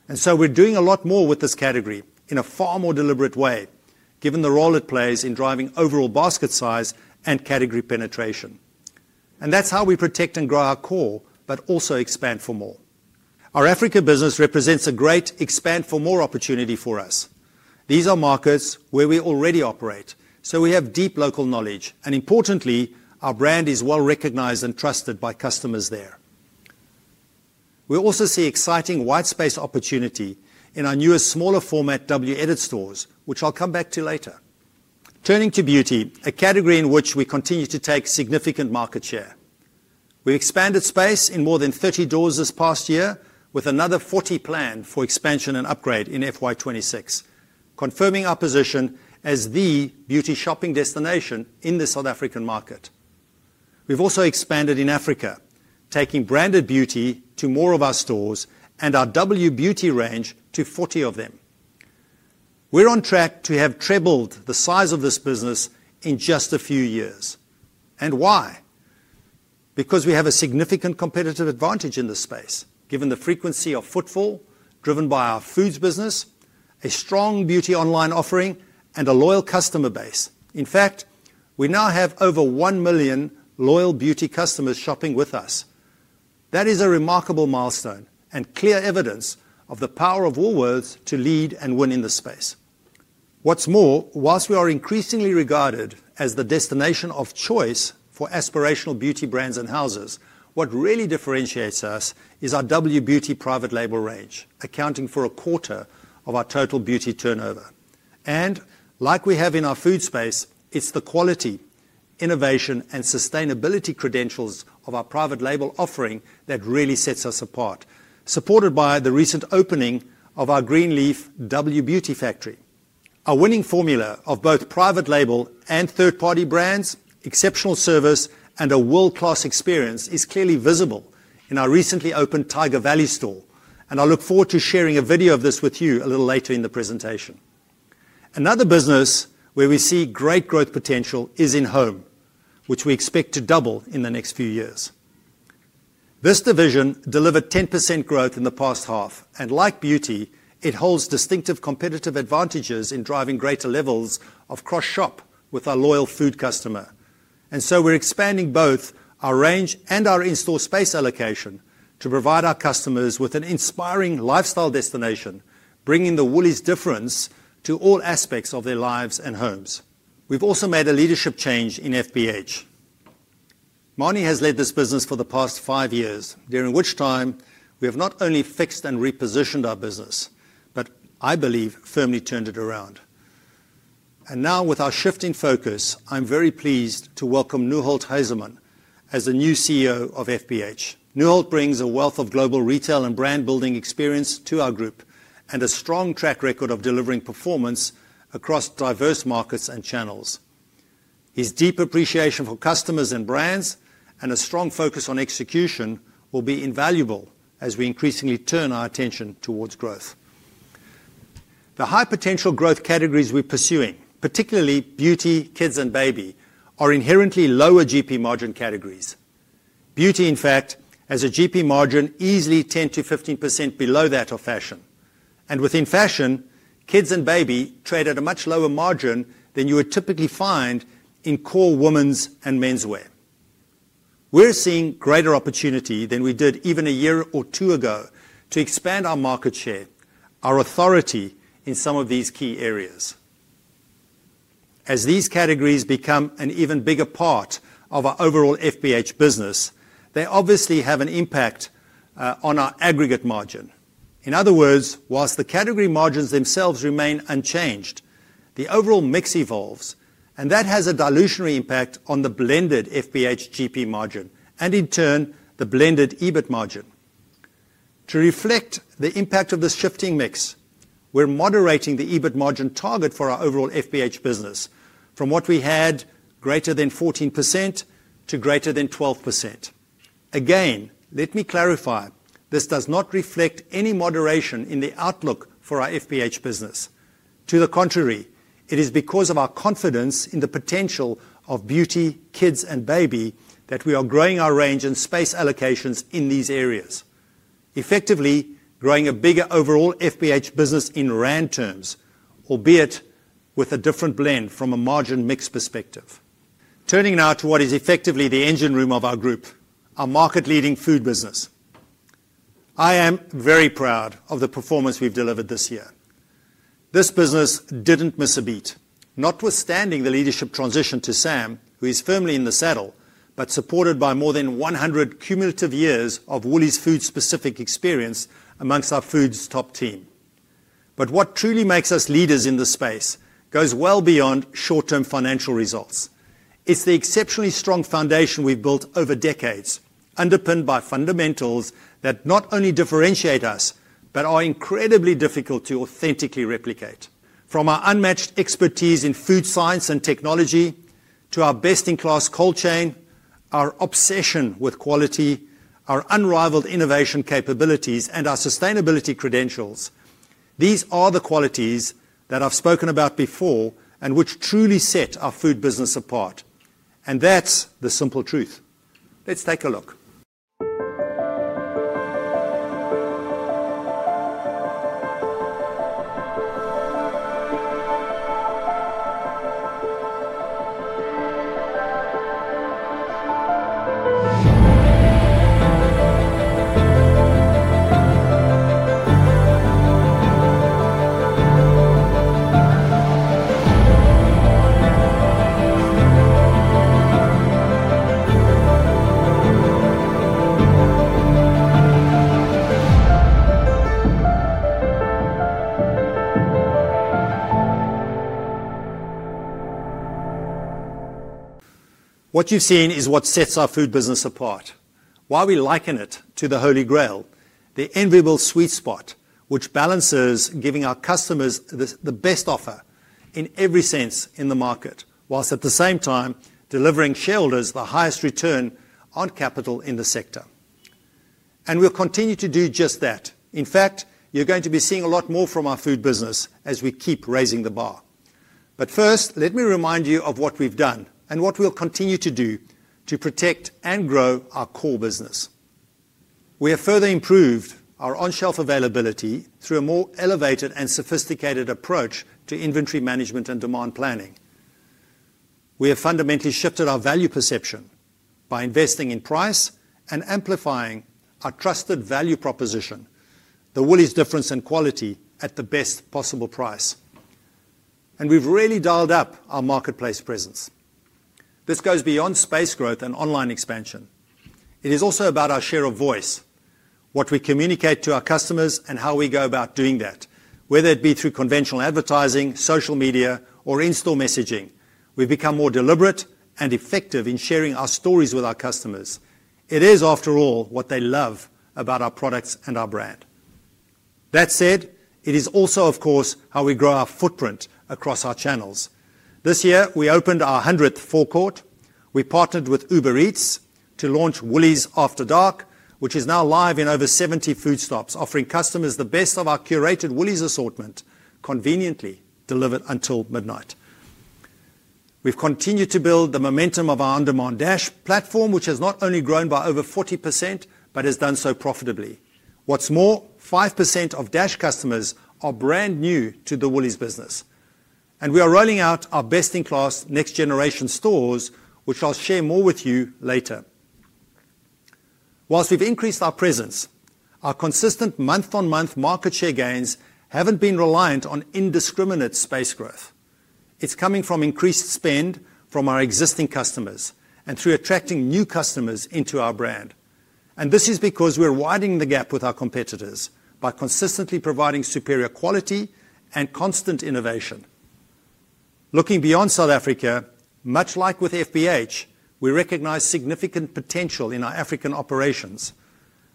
We are doing a lot more with this category in a far more deliberate way, given the role it plays in driving overall basket size and category penetration. That's how we protect and grow our core, but also expand for more. Our Africa business represents a great expand-for-more opportunity for us. These are markets where we already operate, so we have deep local knowledge, and importantly, our brand is well recognized and trusted by customers there. We also see exciting white space opportunity in our newer smaller format W Edit stores, which I'll come back to later. Turning to beauty, a category in which we continue to take significant market share. We expanded space in more than 30 doors this past year, with another 40 planned for expansion and upgrade in FY 2026, confirming our position as the beauty shopping destination in the South African market. We've also expanded in Africa, taking branded beauty to more of our stores and our W Beauty range to 40 of them. We're on track to have tripled the size of this business in just a few years. Why? Because we have a significant competitive advantage in this space, given the frequency of footfall driven by our Foods business, a strong beauty online offering, and a loyal customer base. In fact, we now have over 1 million loyal beauty customers shopping with us. That is a remarkable milestone and clear evidence of the power of Woolworths to lead and win in this space. What's more, whilst we are increasingly regarded as the destination of choice for aspirational beauty brands and houses, what really differentiates us is our W Beauty private label range, accounting for a quarter of our total beauty turnover. Like we have in our Food space, it's the quality, innovation, and sustainability credentials of our private label offering that really sets us apart, supported by the recent opening of our Green Leaf W Beauty factory. A winning formula of both private label and third-party brands, exceptional service, and a world-class experience is clearly visible in our recently opened Tyger Valley store. I look forward to sharing a video of this with you a little later in the presentation. Another business where we see great growth potential is in home, which we expect to double in the next few years. This division delivered 10% growth in the past half, and like beauty, it holds distinctive competitive advantages in driving greater levels of cross-shop with our loyal food customer. We are expanding both our range and our in-store space allocation to provide our customers with an inspiring lifestyle destination, bringing the Woolies difference to all aspects of their lives and homes. We've also made a leadership change in FBH. Marnie has led this business for the past five years, during which time we have not only fixed and repositioned our business, but I believe firmly turned it around. With our shifting focus, I'm very pleased to welcome [Newholt Hoserman] as the new CEO of FBH. [Newholt] brings a wealth of global retail and brand-building experience to our group and a strong track record of delivering performance across diverse markets and channels. His deep appreciation for customers and brands and a strong focus on execution will be invaluable as we increasingly turn our attention towards growth. The high-potential growth categories we're pursuing, particularly beauty, kids, and baby, are inherently lower GP margin categories. Beauty, in fact, has a GP margin easily 10%- 15% below that of Fashion. Within Fashion, kids and baby trade at a much lower margin than you would typically find in core women's and menswear. We're seeing greater opportunity than we did even a year or two ago to expand our market share, our authority in some of these key areas. As these categories become an even bigger part of our overall FBH business, they obviously have an impact on our aggregate margin. In other words, whilst the category margins themselves remain unchanged, the overall mix evolves, and that has a dilutionary impact on the blended FBH GP margin and, in turn, the blended EBIT margin. To reflect the impact of the shifting mix, we're moderating the EBIT margin target for our overall FBH business, from what we had, greater than 14% to greater than 12%. Again, let me clarify, this does not reflect any moderation in the outlook for our FBH business. To the contrary, it is because of our confidence in the potential of beauty, kids, and baby that we are growing our range and space allocations in these areas, effectively growing a bigger overall FBH business in rand terms, albeit with a different blend from a margin mix perspective. Turning now to what is effectively the engine room of our group, our market-leading food business. I am very proud of the performance we've delivered this year. This business didn't miss a beat, notwithstanding the leadership transition to Sam, who is firmly in the saddle, but supported by more than 100 cumulative years of Woolies food-specific experience amongst our Foods top team. What truly makes us leaders in this space goes well beyond short-term financial results. It's the exceptionally strong foundation we've built over decades, underpinned by fundamentals that not only differentiate us, but are incredibly difficult to authentically replicate. From our unmatched expertise in food science and technology to our best-in-class cold chain, our obsession with quality, our unrivaled innovation capabilities, and our sustainability credentials, these are the qualities that I've spoken about before and which truly set our food business apart. That's the simple truth. Let's take a look. What you've seen is what sets our food business apart. While we liken it to the Holy Grail, the enviable sweet spot, which balances giving our customers the best offer in every sense in the market, whilst at the same time delivering shareholders the highest return on capital in the sector. We'll continue to do just that. In fact, you are going to be seeing a lot more from our food business as we keep raising the bar. First, let me remind you of what we've done and what we'll continue to do to protect and grow our core business. We have further improved our on-shelf availability through a more elevated and sophisticated approach to inventory management and demand planning. We have fundamentally shifted our value perception by investing in price and amplifying our trusted value proposition, the Woolies difference in quality at the best possible price. We've really dialed up our marketplace presence. This goes beyond space growth and online expansion. It is also about our share of voice, what we communicate to our customers, and how we go about doing that. Whether it be through conventional advertising, social media, or in-store messaging, we've become more deliberate and effective in sharing our stories with our customers. It is, after all, what they love about our products and our brand. That said, it is also, of course, how we grow our footprint across our channels. This year, we opened our 100th forecourt. We partnered with Uber Eats to launch Woolies After Dark, which is now live in over 70 food stops, offering customers the best of our curated Woolies assortment, conveniently delivered until midnight. We've continued to build the momentum of our on-demand Dash platform, which has not only grown by over 40%, but has done so profitably. What's more, 5% of Dash customers are brand new to the Woolies business. We are rolling out our best-in-class next-generation stores, which I'll share more with you later. Whilst we've increased our presence, our consistent month-on-month market share gains haven't been reliant on indiscriminate space growth. It's coming from increased spend from our existing customers and through attracting new customers into our brand. This is because we're widening the gap with our competitors by consistently providing superior quality and constant innovation. Looking beyond South Africa, much like with FBH, we recognize significant potential in our African operations.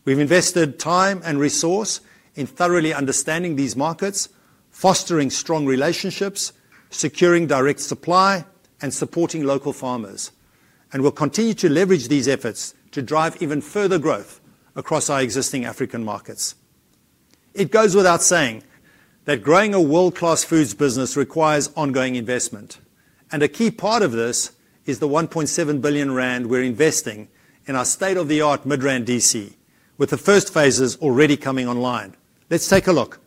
We've invested time and resource in thoroughly understanding these markets, fostering strong relationships, securing direct supply, and supporting local farmers. We'll continue to leverage these efforts to drive even further growth across our existing African markets. It goes without saying that growing a world-class Foods business requires ongoing investment. A key part of this is the 1.7 billion rand we're investing in our state-of-the-art Midrand DC, with the first phases already coming online. Let's take a look.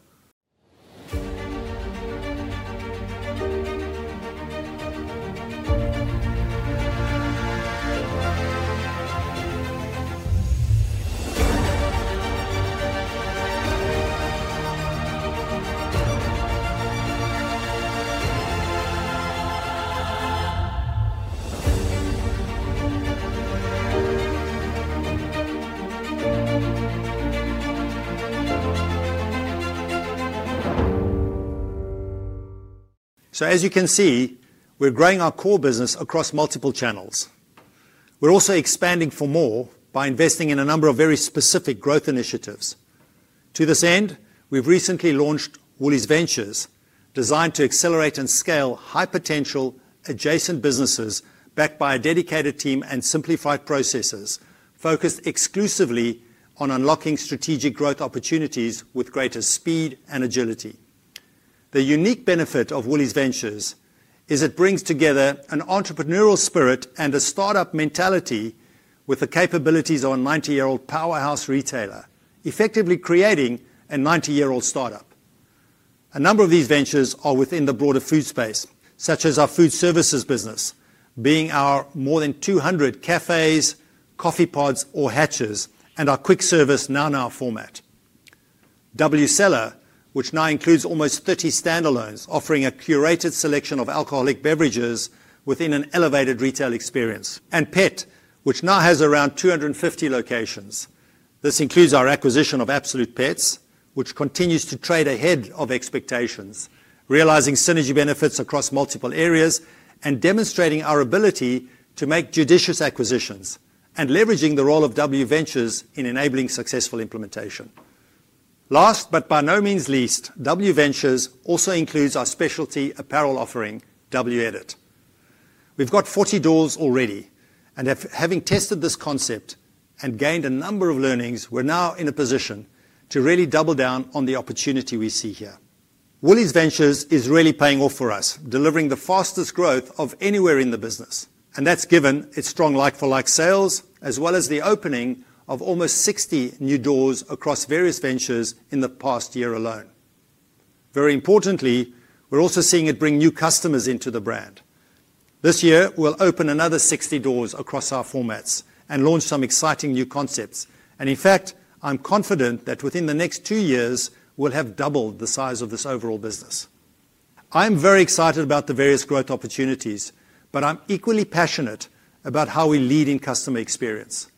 As you can see, we're growing our core business across multiple channels. We're also expanding for more by investing in a number of very specific growth initiatives. To this end, we've recently launched Woolworths Ventures, designed to accelerate and scale high-potential adjacent businesses backed by a dedicated team and simplified processes focused exclusively on unlocking strategic growth opportunities with greater speed and agility. The unique benefit of Woolworths Ventures is it brings together an entrepreneurial spirit and a startup mentality with the capabilities of a 90-year-old powerhouse retailer, effectively creating a 90-year-old startup. A number of these ventures are within the broader food space, such as our Food ervices business, being our more than 200 cafes, coffee pods, or hatches, and our quick service na-na format. W Seller, which now includes almost 30 standalones offering a curated selection of alcoholic beverages within an elevated retail experience, and Pet, which now has around 250 locations. This includes our acquisition of Absolute Pets, which continues to trade ahead of expectations, realizing synergy benefits across multiple areas and demonstrating our ability to make judicious acquisitions and leveraging the role of Woolworths Ventures in enabling successful implementation. Last, but by no means least, W Ventures also includes our specialty apparel offering, W Edit. We've got 40 doors already, and having tested this concept and gained a number of learnings, we're now in a position to really double down on the opportunity we see here. Woolies Ventures is really paying off for us, delivering the fastest growth of anywhere in the business. That's given its strong like-for-like sales, as well as the opening of almost 60 new doors across various ventures in the past year alone. Very importantly, we're also seeing it bring new customers into the brand. This year, we'll open another 60 doors across our formats and launch some exciting new concepts. In fact, I'm confident that within the next two years, we'll have doubled the size of this overall business. I'm very excited about the various growth opportunities, but I'm equally passionate about how we lead in customer experience.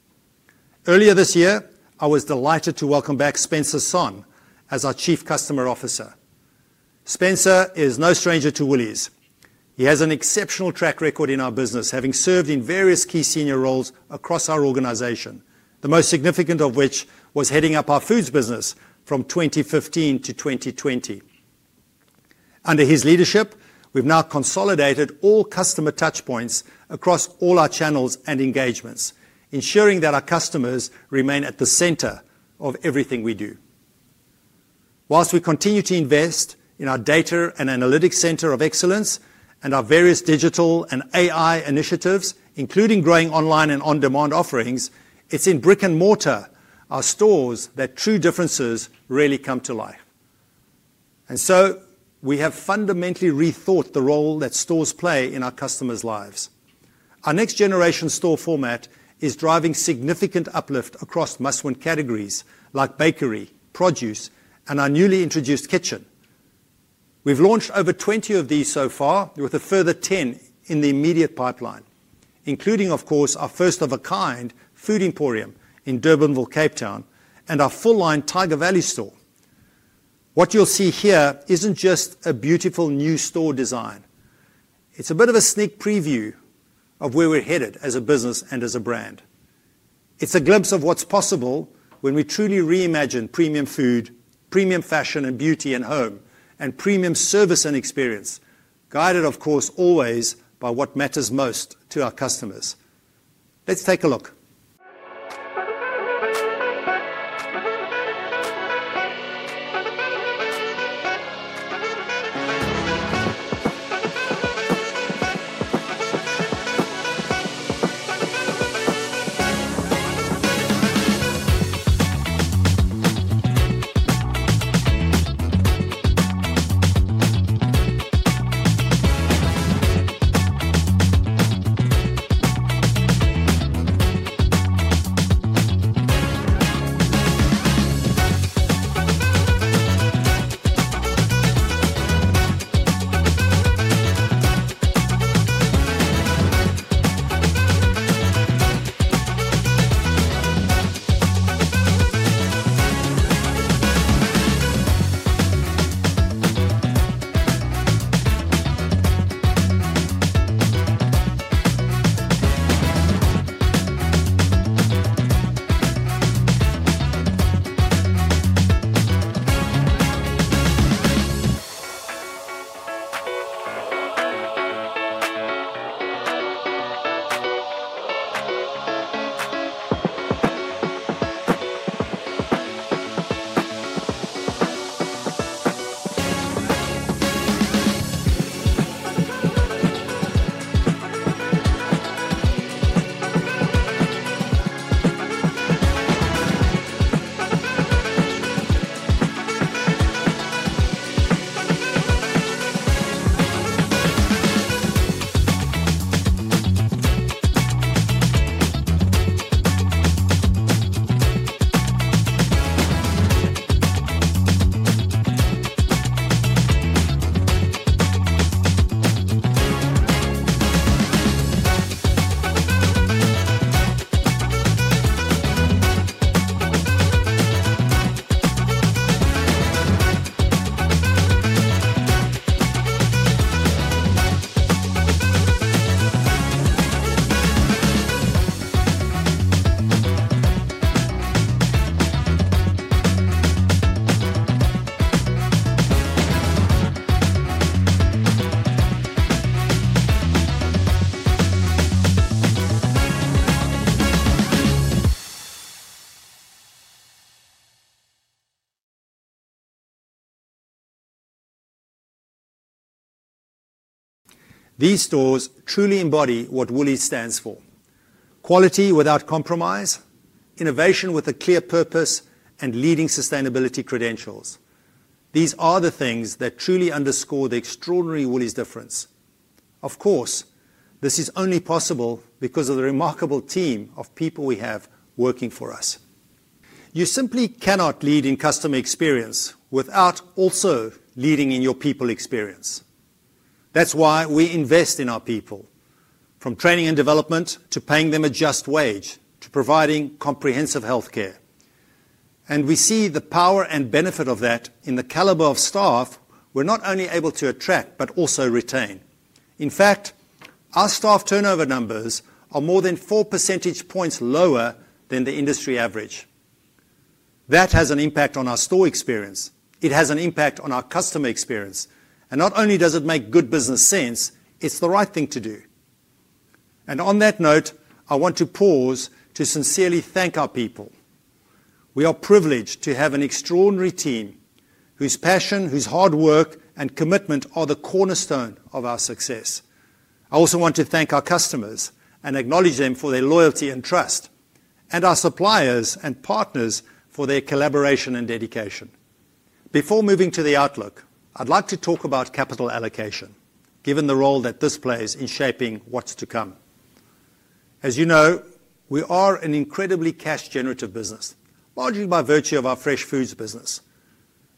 Earlier this year, I was delighted to welcome back Spencer Sonn as our Chief Customer Officer. Spencer is no stranger to Woolies. He has an exceptional track record in our business, having served in various key senior roles across our organization, the most significant of which was heading up our Foods business from 2015 to 2020. Under his leadership, we've now consolidated all customer touchpoints across all our channels and engagements, ensuring that our customers remain at the center of everything we do. Whilst we continue to invest in our data and analytics center of excellence and our various digital and AI initiatives, including growing online and on-demand offerings, it is in brick and mortar, our stores, that true differences really come to life. We have fundamentally rethought the role that stores play in our customers' lives. Our next-generation store format is driving significant uplift across must-win categories like bakery, produce, and our newly introduced kitchen. We've launched over 20 of these so far, with a further 10 in the immediate pipeline, including, of course, our first-of-a-kind food emporium in Durbanville, Cape Town, and our full-line Tyger Valley store. What you'll see here isn't just a beautiful new store design. It's a bit of a sneak preview of where we're headed as a business and as a brand. It's a glimpse of what's possible when we truly reimagine premium food, premium fashion and beauty in home, and premium service and experience, guided, of course, always by what matters most to our customers. Let's take a look. These stores truly embody what Woolies stands for: quality without compromise, innovation with a clear purpose, and leading sustainability credentials. These are the things that truly underscore the extraordinary Woolies difference. This is only possible because of the remarkable team of people we have working for us. You simply cannot lead in customer experience without also leading in your people experience. That's why we invest in our people, from training and development to paying them a just wage, to providing comprehensive healthcare. We see the power and benefit of that in the caliber of staff we're not only able to attract, but also retain. In fact, our staff turnover numbers are more than 4% lower than the industry average. That has an impact on our store experience. It has an impact on our customer experience. Not only does it make good business sense, it's the right thing to do. On that note, I want to pause to sincerely thank our people. We are privileged to have an extraordinary team whose passion, whose hard work, and commitment are the cornerstone of our success. I also want to thank our customers and acknowledge them for their loyalty and trust, and our suppliers and partners for their collaboration and dedication. Before moving to the outlook, I'd like to talk about capital allocation, given the role that this plays in shaping what's to come. As you know, we are an incredibly cash-generative business, largely by virtue of our fresh foods business.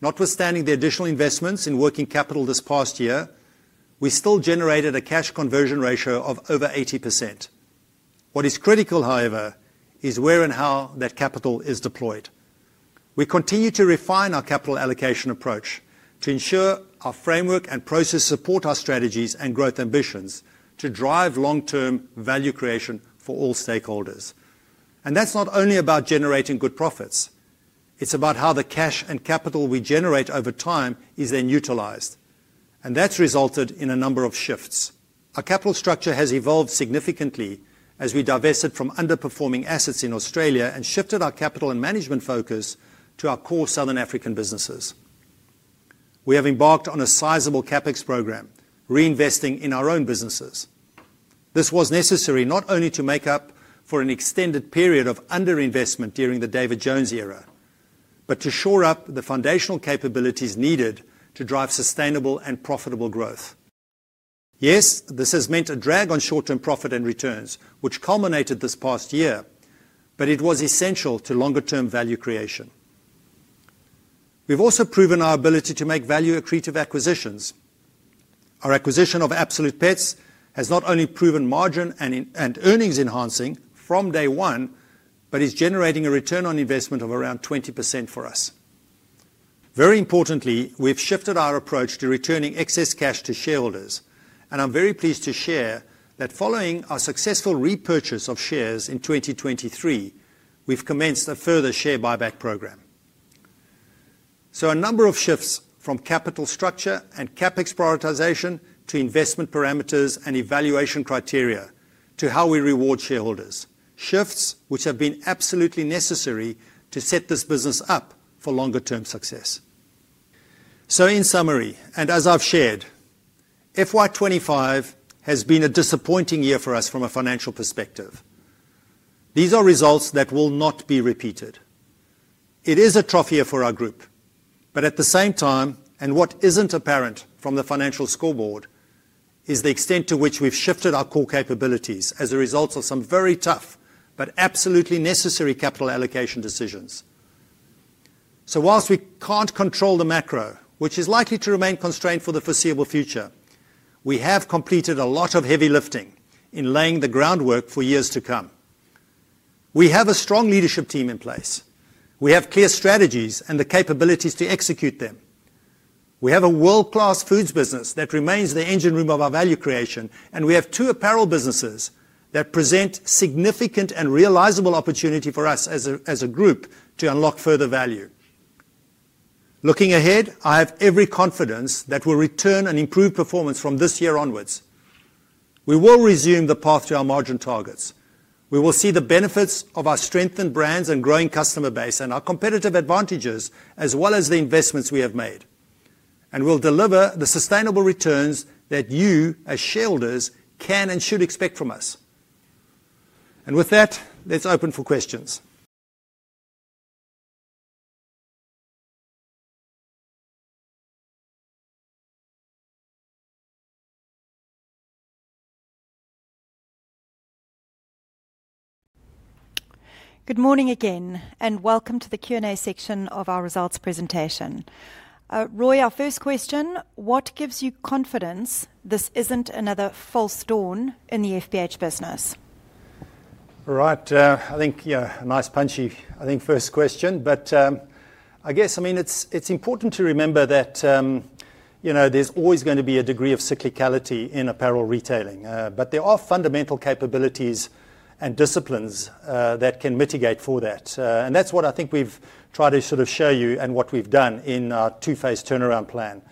Notwithstanding the additional investments in working capital this past year, we still generated a cash conversion ratio of over 80%. What is critical, however, is where and how that capital is deployed. We continue to refine our capital allocation approach to ensure our framework and process support our strategies and growth ambitions to drive long-term value creation for all stakeholders. That is not only about generating good profits. It is about how the cash and capital we generate over time is then utilized. That has resulted in a number of shifts. Our capital structure has evolved significantly as we divested from underperforming assets in Australia and shifted our capital and management focus to our core Southern African businesses. We have embarked on a sizable CapEx program, reinvesting in our own businesses. This was necessary not only to make up for an extended period of underinvestment during the David Jones era, but to shore up the foundational capabilities needed to drive sustainable and profitable growth. Yes, this has meant a drag on short-term profit and returns, which culminated this past year, but it was essential to longer-term value creation. We've also proven our ability to make value-accretive acquisitions. Our acquisition of Absolute Pets has not only proven margin and earnings enhancing from day one, but is generating a return on investment of around 20% for us. Very importantly, we've shifted our approach to returning excess cash to shareholders, and I'm very pleased to share that following our successful repurchase of shares in 2023, we've commenced a further share buyback program. A number of shifts from capital structure and CapEx prioritization to investment parameters and evaluation criteria to how we reward shareholders, shifts which have been absolutely necessary to set this business up for longer-term success. In summary, and as I've shared, FY 2025 has been a disappointing year for us from a financial perspective. These are results that will not be repeated. It is a tough year for our group, but at the same time, what isn't apparent from the financial scoreboard is the extent to which we've shifted our core capabilities as a result of some very tough but absolutely necessary capital allocation decisions. Whilst we can't control the macro, which is likely to remain constrained for the foreseeable future, we have completed a lot of heavy lifting in laying the groundwork for years to come. We have a strong leadership team in place. We have clear strategies and the capabilities to execute them. We have a world-class Foods business that remains the engine room of our value creation, and we have two apparel businesses that present significant and realizable opportunity for us as a group to unlock further value. Looking ahead, I have every confidence that we'll return an improved performance from this year onwards. We will resume the path to our margin targets. We will see the benefits of our strengthened brands and growing customer base and our competitive advantages, as well as the investments we have made. We'll deliver the sustainable returns that you, as shareholders, can and should expect from us. With that, let's open for questions. Good morning again, and welcome to the Q&A section of our results presentation. Roy, our first question, what gives you confidence this isn't another false dawn in the FBH business? Right, I think, yeah, a nice punchy, I think, first question, but I guess, I mean, it's important to remember that, you know, there's always going to be a degree of cyclicality in apparel retailing, but there are fundamental capabilities and disciplines that can mitigate for that. That's what I think we've tried to sort of show you and what we've done in our two-phase turnaround plan.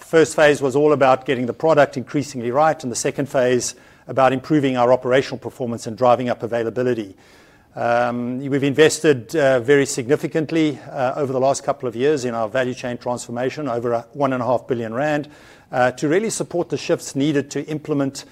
First phase was all about getting the product increasingly right, and the second phase about improving our operational performance and driving up availability. We've invested very significantly over the last couple of years in our value chain transformation, over 1.5 billion rand, to really support the shifts needed to implement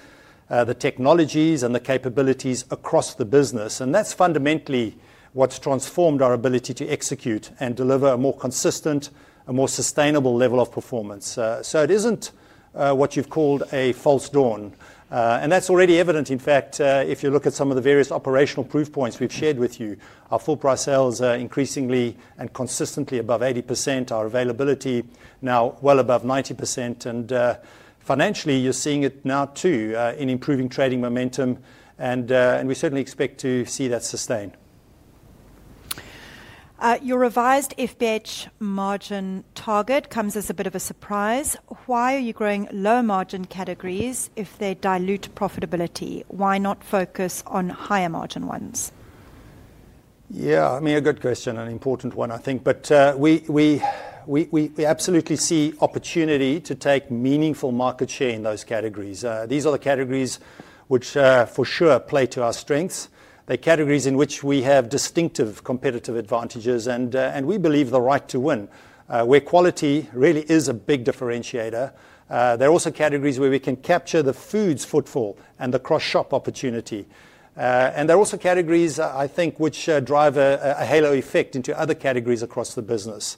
the technologies and the capabilities across the business. That's fundamentally what's transformed our ability to execute and deliver a more consistent, a more sustainable level of performance. It isn't what you've called a false dawn. That's already evident, in fact, if you look at some of the various operational proof points we've shared with you. Our full price sales are increasingly and consistently above 80%. Our availability now well above 90%. Financially, you're seeing it now too in improving trading momentum. We certainly expect to see that sustain. Your revised FBH margin target comes as a bit of a surprise. Why are you growing low margin categories if they dilute profitability? Why not focus on higher margin ones? Yeah, I mean, a good question and an important one, I think. We absolutely see opportunity to take meaningful market share in those categories. These are the categories which for sure play to our strengths. They are categories in which we have distinctive competitive advantages and we believe the right to win, where quality really is a big differentiator. They're also categories where we can capture the Foods footfall and the cross-shop opportunity. They're also categories, I think, which drive a halo effect into other categories across the business.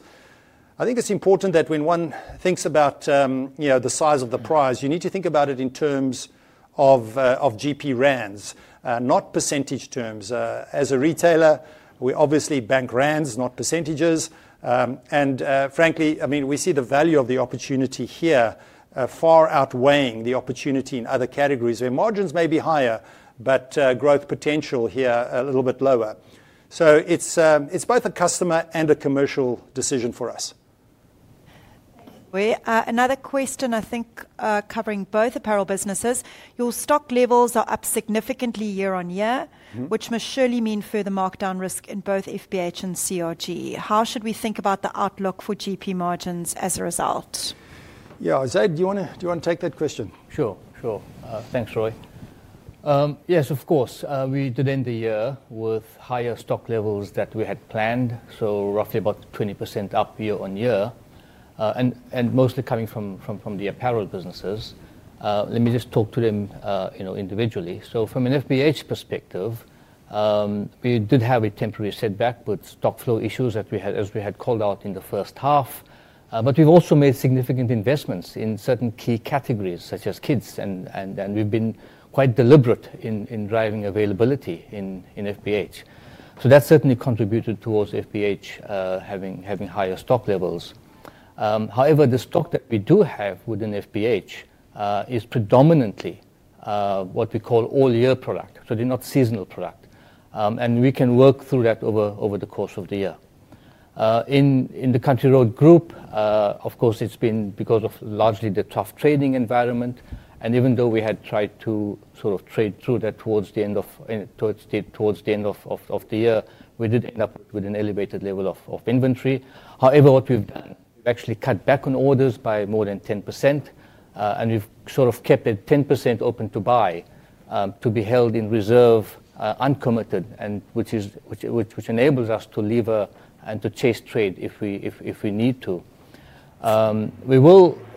I think it's important that when one thinks about the size of the prize, you need to think about it in terms of GP rands, not percentage terms. As a retailer, we obviously bank rands, not percentages. Frankly, we see the value of the opportunity here far outweighing the opportunity in other categories. Their margins may be higher, but growth potential here a little bit lower. It's both a customer and a commercial decision for us. Another question, I think, covering both apparel businesses. Your stock levels are up significantly year on year, which must surely mean further markdown risk in both FBH and CRG. How should we think about the outlook for GP margins as a result? Yeah, Zaid, do you want to take that question? Sure, sure. Thanks, Roy. Yes, of course. We did end the year with higher stock levels than we had planned, so roughly about 20% up year on year, and mostly coming from the apparel businesses. Let me just talk to them individually. From an FBH perspective, we did have a temporary setback with stock flow issues that we had, as we had called out in the first half. We've also made significant investments in certain key categories, such as kids. We've been quite deliberate in driving availability in FBH. That certainly contributed towards FBH having higher stock levels. However, the stock that we do have within FBH is predominantly what we call all-year product, so they're not seasonal product, and we can work through that over the course of the year. In the Country Road Group, it's been because of largely the tough trading environment. Even though we had tried to sort of trade through that towards the end of the year, we did end up with an elevated level of inventory. However, what we've done is actually cut back on orders by more than 10%. We've kept it 10% open to buy to be held in reserve uncommitted, which enables us to lever and to chase trade if we need to.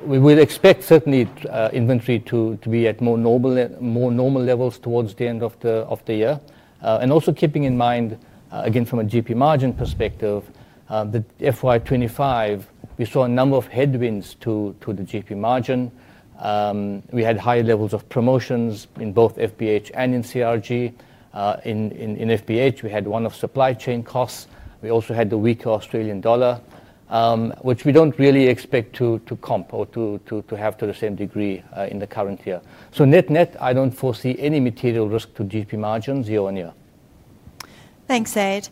We would expect inventory to be at more normal levels towards the end of the year. Also keeping in mind, again, from a GP margin perspective, in FY 2025, we saw a number of headwinds to the GP margin. We had higher levels of promotions in both FBH and in CR G. In FBH, we had one-off supply chain costs. We also had the weaker Australian dollar, which we don't really expect to comp or to have to the same degree in the current year. Net-net, I don't foresee any material risk to GP margins year on year. Thanks, Zaid.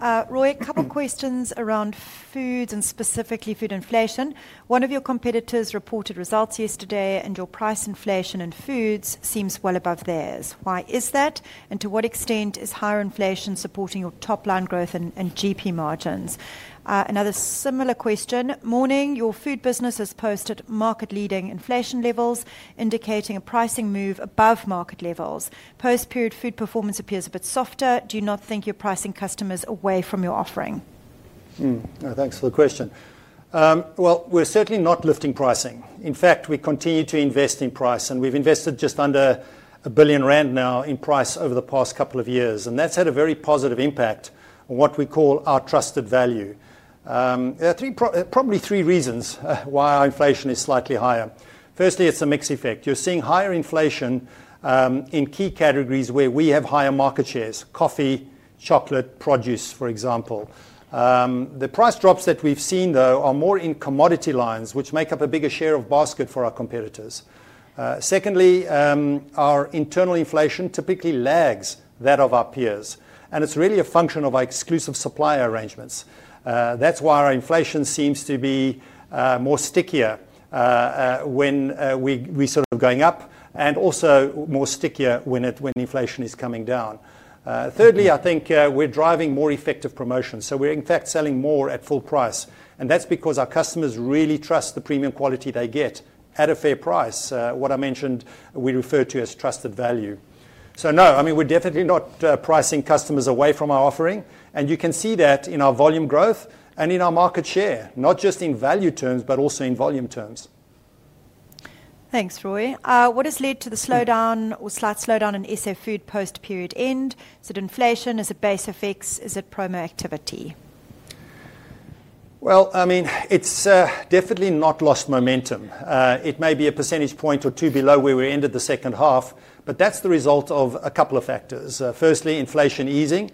Roy, a couple of questions around Foods and specifically food inflation. One of your competitors reported results yesterday, and your price inflation in Foods seems well above theirs. Why is that? To what extent is higher inflation supporting your top line growth and GP margins? Another similar question. Morning, your food business has posted market-leading inflation levels, indicating a pricing move above market levels. Post-period food performance appears a bit softer. Do you not think you're pricing customers away from your offering? Thanks for the question. We're certainly not lifting pricing. In fact, we continue to invest in price, and we've invested just under 1 billion rand now in price over the past couple of years. That's had a very positive impact on what we call our trusted value. There are probably three reasons why our inflation is slightly higher. Firstly, it's a mix effect. You're seeing higher inflation in key categories where we have higher market shares, coffee, chocolate, produce, for example. The price drops that we've seen, though, are more in commodity lines, which make up a bigger share of the basket for our competitors. Secondly, our internal inflation typically lags that of our peers. It's really a function of our exclusive supply arrangements. That's why our inflation seems to be stickier when we're going up and also stickier when inflation is coming down. Thirdly, I think we're driving more effective promotions. We're, in fact, selling more at full price, and that's because our customers really trust the premium quality they get at a fair price, what I mentioned we refer to as trusted value. No, we're definitely not pricing customers away from our offering, and you can see that in our volume growth and in our market share, not just in value terms, but also in volume terms. Thanks, Roy. What has led to the slowdown or slight slowdown in South Africa food post-period end? Is it inflation? Is it base effects? Is it promo activity? It is definitely not lost momentum. It may be 1 percentage point or 2 below where we ended the second half, but that's the result of a couple of factors. Firstly, inflation easing,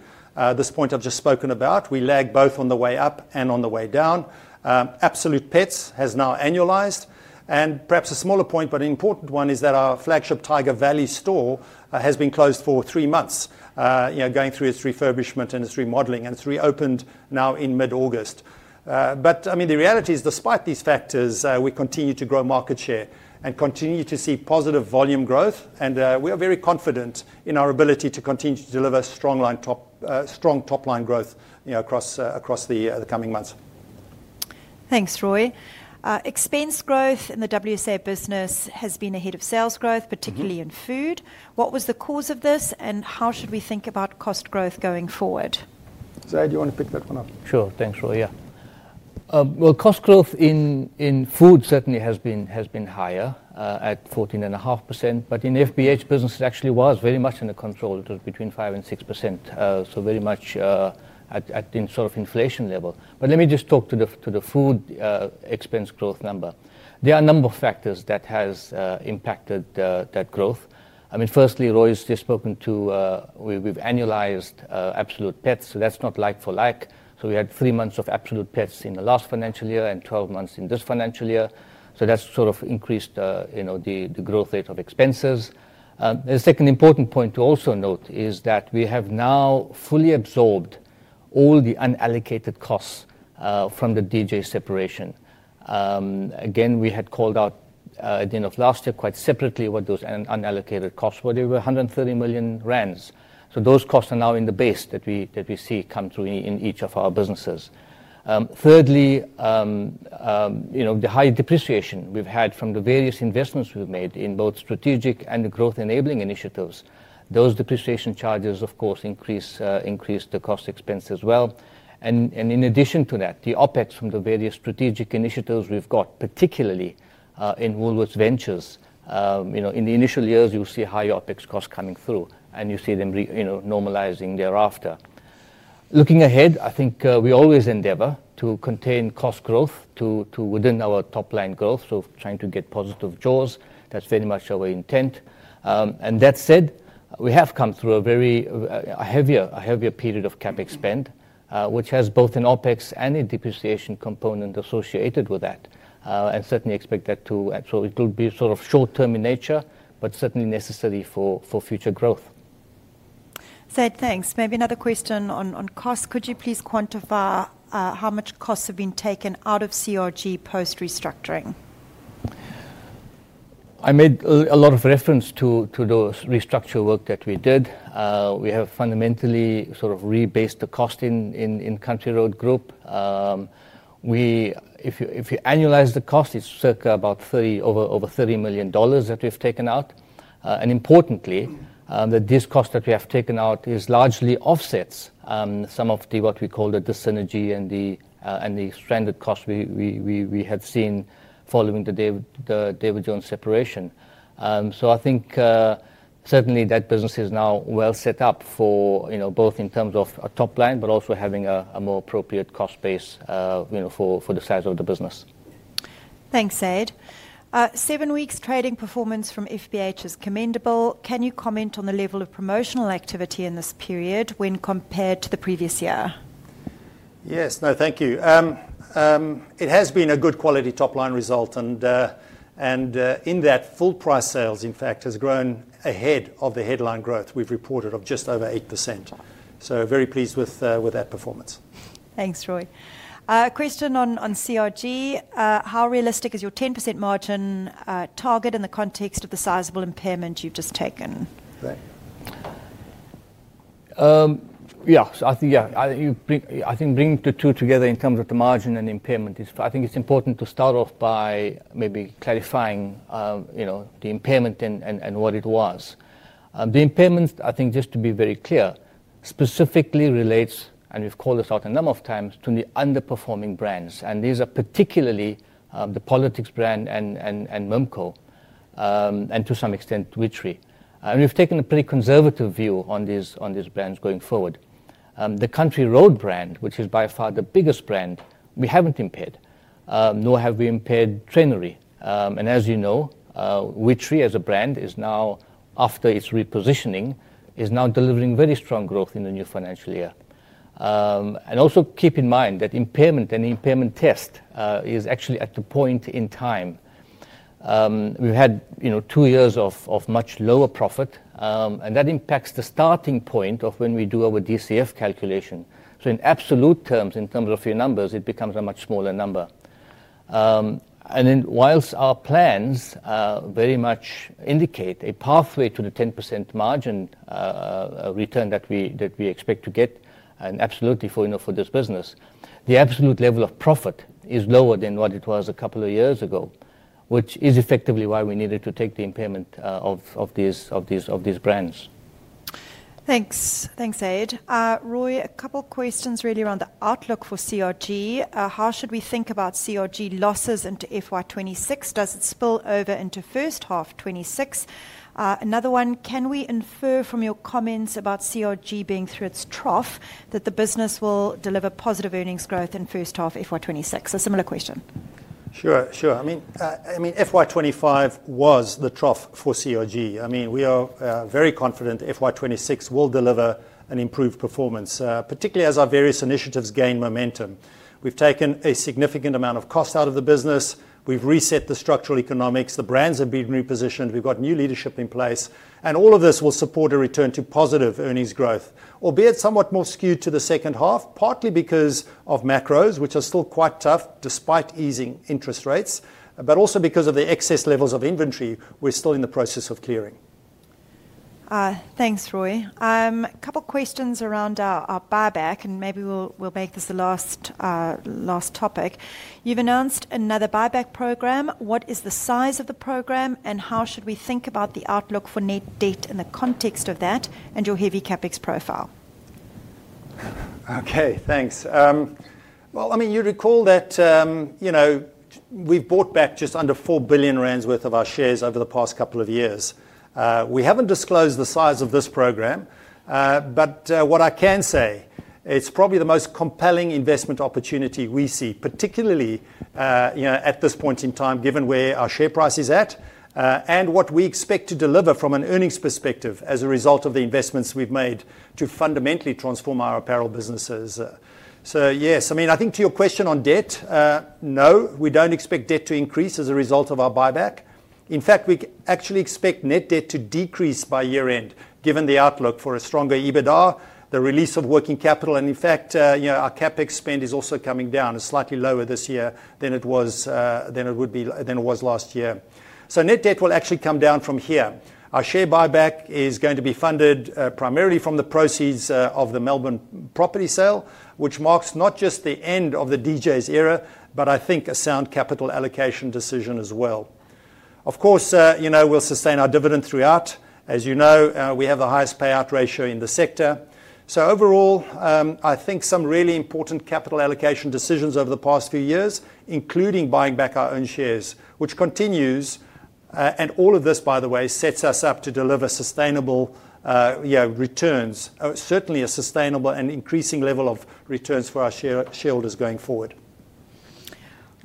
this point I've just spoken about. We lag both on the way up and on the way down. Absolute Pets has now annualized. Perhaps a smaller point, but an important one, is that our flagship Tyger Valley store has been closed for three months, going through its refurbishment and its remodeling. It's reopened now in mid-August. The reality is, despite these factors, we continue to grow market share and continue to see positive volume growth. We are very confident in our ability to continue to deliver strong top line growth across the coming months. Thanks, Roy. Expense growth in the W S A business has been ahead of sales growth, particularly in Food. What was the cause of this? How should we think about cost growth going forward? Zaid, you want to pick that one up? Sure, thanks, Roy. Cost growth in Foods certainly has been higher at 14.5%. In the FBH business, it actually was very much under control. It was between 5% and 6%, so very much at the sort of inflation level. Let me just talk to the Food expense growth number. There are a number of factors that have impacted that growth. Firstly, Roy's just spoken to we've annualized Absolute Pets. That's not like-for-like. We had three months of Absolute Pets in the last financial year and 12 months in this financial year. That sort of increased the growth rate of expenses. The second important point to also note is that we have now fully absorbed all the unallocated costs from the David Jones separation. We had called out at the end of last year quite separately what those unallocated costs were. They were 130 million rand. Those costs are now in the base that we see come through in each of our businesses. Thirdly, the high depreciation we've had from the various investments we've made in both strategic and growth-enabling initiatives. Those depreciation charges, of course, increase the cost expense as well. In addition to that, the OpEx from the various strategic initiatives we've got, particularly in Woolworths Ventures, in the initial years, you see high OpEx costs coming through and you see them normalizing thereafter. Looking ahead, I think we always endeavor to contain cost growth within our top line growth, trying to get positive jaws. That's very much our intent. That said, we have come through a heavier period of CapEx spend, which has both an OpEx and a depreciation component associated with that. Certainly expect that to, so it'll be sort of short-term in nature, but certainly necessary for future growth. Zaid, thanks. Maybe another question on cost. Could you please quantify how much costs have been taken out of CRG post-restructuring? I made a lot of reference to the restructure work that we did. We have fundamentally sort of rebased the cost in Country Road Group. If you annualize the cost, it's circa about over 30 million dollars that we've taken out. Importantly, this cost that we have taken out largely offsets some of what we call the dis-synergy and the stranded costs we have seen following the David Jones separation. I think certainly that business is now well set up for both in terms of a top line, but also having a more appropriate cost base for the size of the business. Thanks, Zaid. Seven weeks trading performance from FBH is commendable. Can you comment on the level of promotional activity in this period when compared to the previous year? Thank you. It has been a good quality top line result. In that, full price sales, in fact, has grown ahead of the headline growth we've reported of just over 8%. Very pleased with that performance. Thanks, Roy. Question on CR G. How realistic is your 10% margin target in the context of the sizable impairment you've just taken? Yeah, I think bringing the two together in terms of the margin and impairment, I think it's important to start off by maybe clarifying the impairment and what it was. The impairment, I think, just to be very clear, specifically relates, and we've called this out a number of times, to the underperforming brands. These are particularly the Politix brand and Mimco, and to some extent, Witchery. We've taken a pretty conservative view on these brands going forward. The Country Road brand, which is by far the biggest brand, we haven't impaired, nor have we impaired Trenery. As you know, Witchery as a brand is now, after its repositioning, delivering very strong growth in the new financial year. Also keep in mind that impairment and the impairment test is actually at the point in time. We've had two years of much lower profit. That impacts the starting point of when we do our DCF calculation. In absolute terms, in terms of your numbers, it becomes a much smaller number. Whilst our plans very much indicate a pathway to the 10% margin return that we expect to get, and absolutely for this business, the absolute level of profit is lower than what it was a couple of years ago, which is effectively why we needed to take the impairment of these brands. Thanks, Zaid. Roy, a couple of questions really around the outlook for CR G. How should we think about CRG losses into FY 2026? Does it spill over into first half 2026? Another one, can we infer from your comments about CRG being through its trough that the business will deliver positive earnings growth in first half FY 2026? A similar question. Sure. I mean, FY 2025 was the trough for CRG. I mean, we are very confident FY 2026 will deliver an improved performance, particularly as our various initiatives gain momentum. We've taken a significant amount of costs out of the business. We've reset the structural economics. The brands have been repositioned. We've got new leadership in place. All of this will support a return to positive earnings growth, albeit somewhat more skewed to the second half, partly because of macros, which are still quite tough despite easing interest rates, but also because of the excess levels of inventory we're still in the process of clearing. Thanks, Roy. A couple of questions around our buyback, and maybe we'll make this the last topic. You've announced another buyback program. What is the size of the program, and how should we think about the outlook for net debt in the context of that, and your heavy CapEx profile? OK, thanks. You'd recall that we've bought back just under 4 billion rand worth of our shares over the past couple of years. We haven't disclosed the size of this program. What I can say, it's probably the most compelling investment opportunity we see, particularly at this point in time, given where our share price is at and what we expect to deliver from an earnings perspective as a result of the investments we've made to fundamentally transform our apparel businesses. Yes, I think to your question on debt, no, we don't expect debt to increase as a result of our buyback. In fact, we actually expect net debt to decrease by year-end, given the outlook for a stronger EBITDA, the release of working capital. In fact, our CapEx spend is also coming down. It's slightly lower this year than it was last year. Net debt will actually come down from here. Our share buyback is going to be funded primarily from the proceeds of the Melbourne property sale, which marks not just the end of the DJ' s era, but I think a sound capital allocation decision as well. Of course, we'll sustain our dividend throughout. As you know, we have the highest payout ratio in the sector. Overall, I think some really important capital allocation decisions over the past few years, including buying back our own shares, which continues. All of this, by the way, sets us up to deliver sustainable returns, certainly a sustainable and increasing level of returns for our shareholders going forward.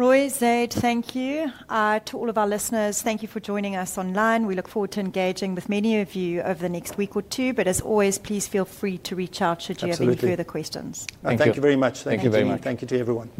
Roy, Zaid, thank you. To all of our listeners, thank you for joining us online. We look forward to engaging with many of you over the next week or two. As always, please feel free to reach out should you have any further questions. Thank you very much. Thank you very much. Thank you to everyone.